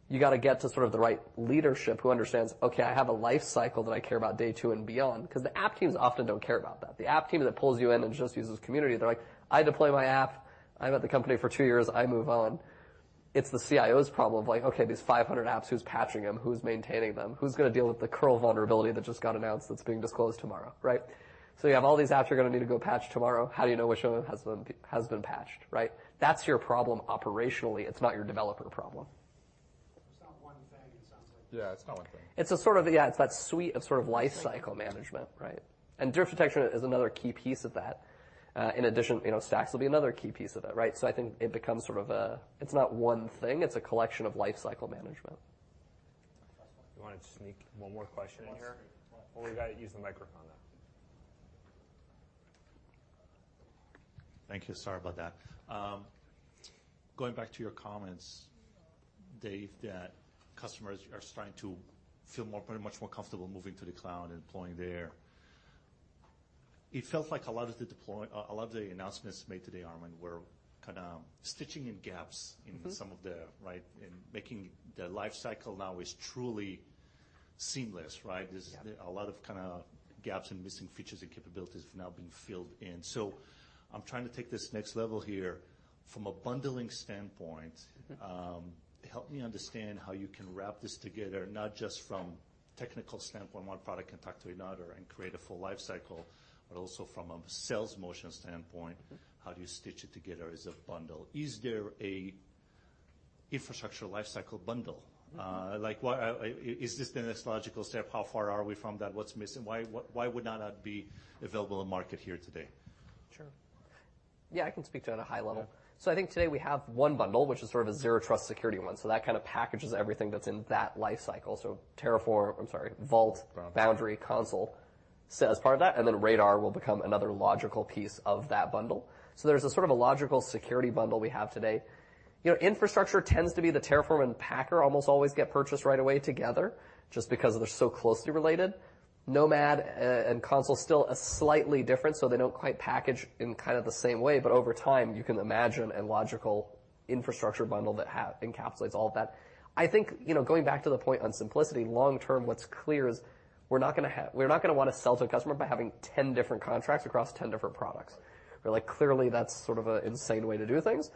You gotta get to sort of the right leadership who understands, okay, I have a life cycle that I care about day two and beyond, 'cause the app teams often don't care about that. The app team that pulls you in and just uses community, they're like: I deploy my app, I'm at the company for 2 years, I move on. It's the CIO's problem of like, okay, these 500 apps, who's patching them? Who's maintaining them? Who's gonna deal with the curl vulnerability that just got announced that's being disclosed tomorrow, right? So you have all these apps you're gonna need to go patch tomorrow. How do you know which of them has been, has been patched, right? That's your problem operationally. It's not your developer problem. Yeah, it's not one thing. It's a sort of, yeah, it's that suite of sort of life cycle management, right? And Drift Detection is another key piece of that. In addition, you know, Stacks will be another key piece of that, right? So I think it becomes sort of a. It's not one thing, it's a collection of life cycle management. You want to sneak one more question in here? Well, we've got to use the microphone, though. Thank you. Sorry about that. Going back to your comments, Dave, that customers are starting to feel more, pretty much more comfortable moving to the cloud and deploying there. It felt like a lot of the announcements made today, Armon, were kind of stitching in gaps. Mm-hmm. in some of the, right, and making the life cycle now is truly seamless, right? Yeah. There's a lot of kind of gaps and missing features and capabilities have now been filled in. I'm trying to take this next level here. From a bundling standpoint- Mm-hmm. Help me understand how you can wrap this together, not just from a technical standpoint, one product can talk to another and create a full life cycle, but also from a sales motion standpoint, how do you stitch it together as a bundle? Is there an infrastructure life cycle bundle? Mm-hmm. Like, what is this the next logical step? How far are we from that? What's missing? Why, why would that not be available in market here today? Sure. Yeah, I can speak to it at a high level. Yeah. So I think today we have one bundle, which is sort of a Zero Trust security one. So that kind of packages everything that's in that life cycle. So Terraform, I'm sorry, Vault, Boundary, Consul, so as part of that, and then Radar will become another logical piece of that bundle. So there's a sort of a logical security bundle we have today. You know, infrastructure tends to be the Terraform and Packer almost always get purchased right away together just because they're so closely related. Nomad and Consul, still a slightly different, so they don't quite package in kind of the same way, but over time, you can imagine a logical infrastructure bundle that encapsulates all of that. I think, you know, going back to the point on simplicity, long-term, what's clear is we're not gonna want to sell to a customer by having 10 different contracts across 10 different products. We're like, clearly, that's sort of an insane way to do things,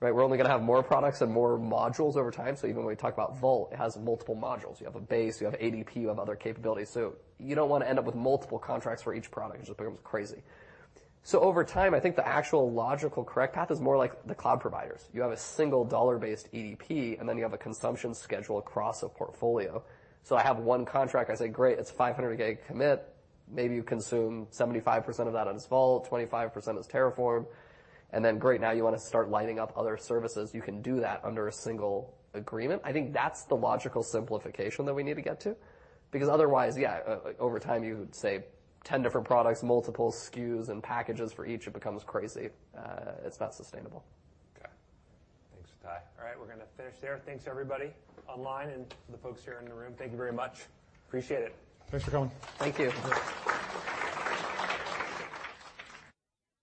right? We're only going to have more products and more modules over time. So even when we talk about Vault, it has multiple modules. You have a base, you have ADP, you have other capabilities. So you don't want to end up with multiple contracts for each product, which becomes crazy. So over time, I think the actual logical correct path is more like the cloud providers. You have a single dollar-based EDP, and then you have a consumption schedule across a portfolio. So I have one contract. I say, "Great, it's $500 a commit." Maybe you consume 75% of that on its Vault, 25% is Terraform, and then great, now you want to start lining up other services. You can do that under a single agreement. I think that's the logical simplification that we need to get to, because otherwise, yeah, over time, you would say 10 different products, multiple SKUs and packages for each, it becomes crazy. It's not sustainable. Okay. Thanks, Ty. All right, we're going to finish there. Thanks, everybody, online and the folks here in the room. Thank you very much. Appreciate it. Thanks for coming. Thank you.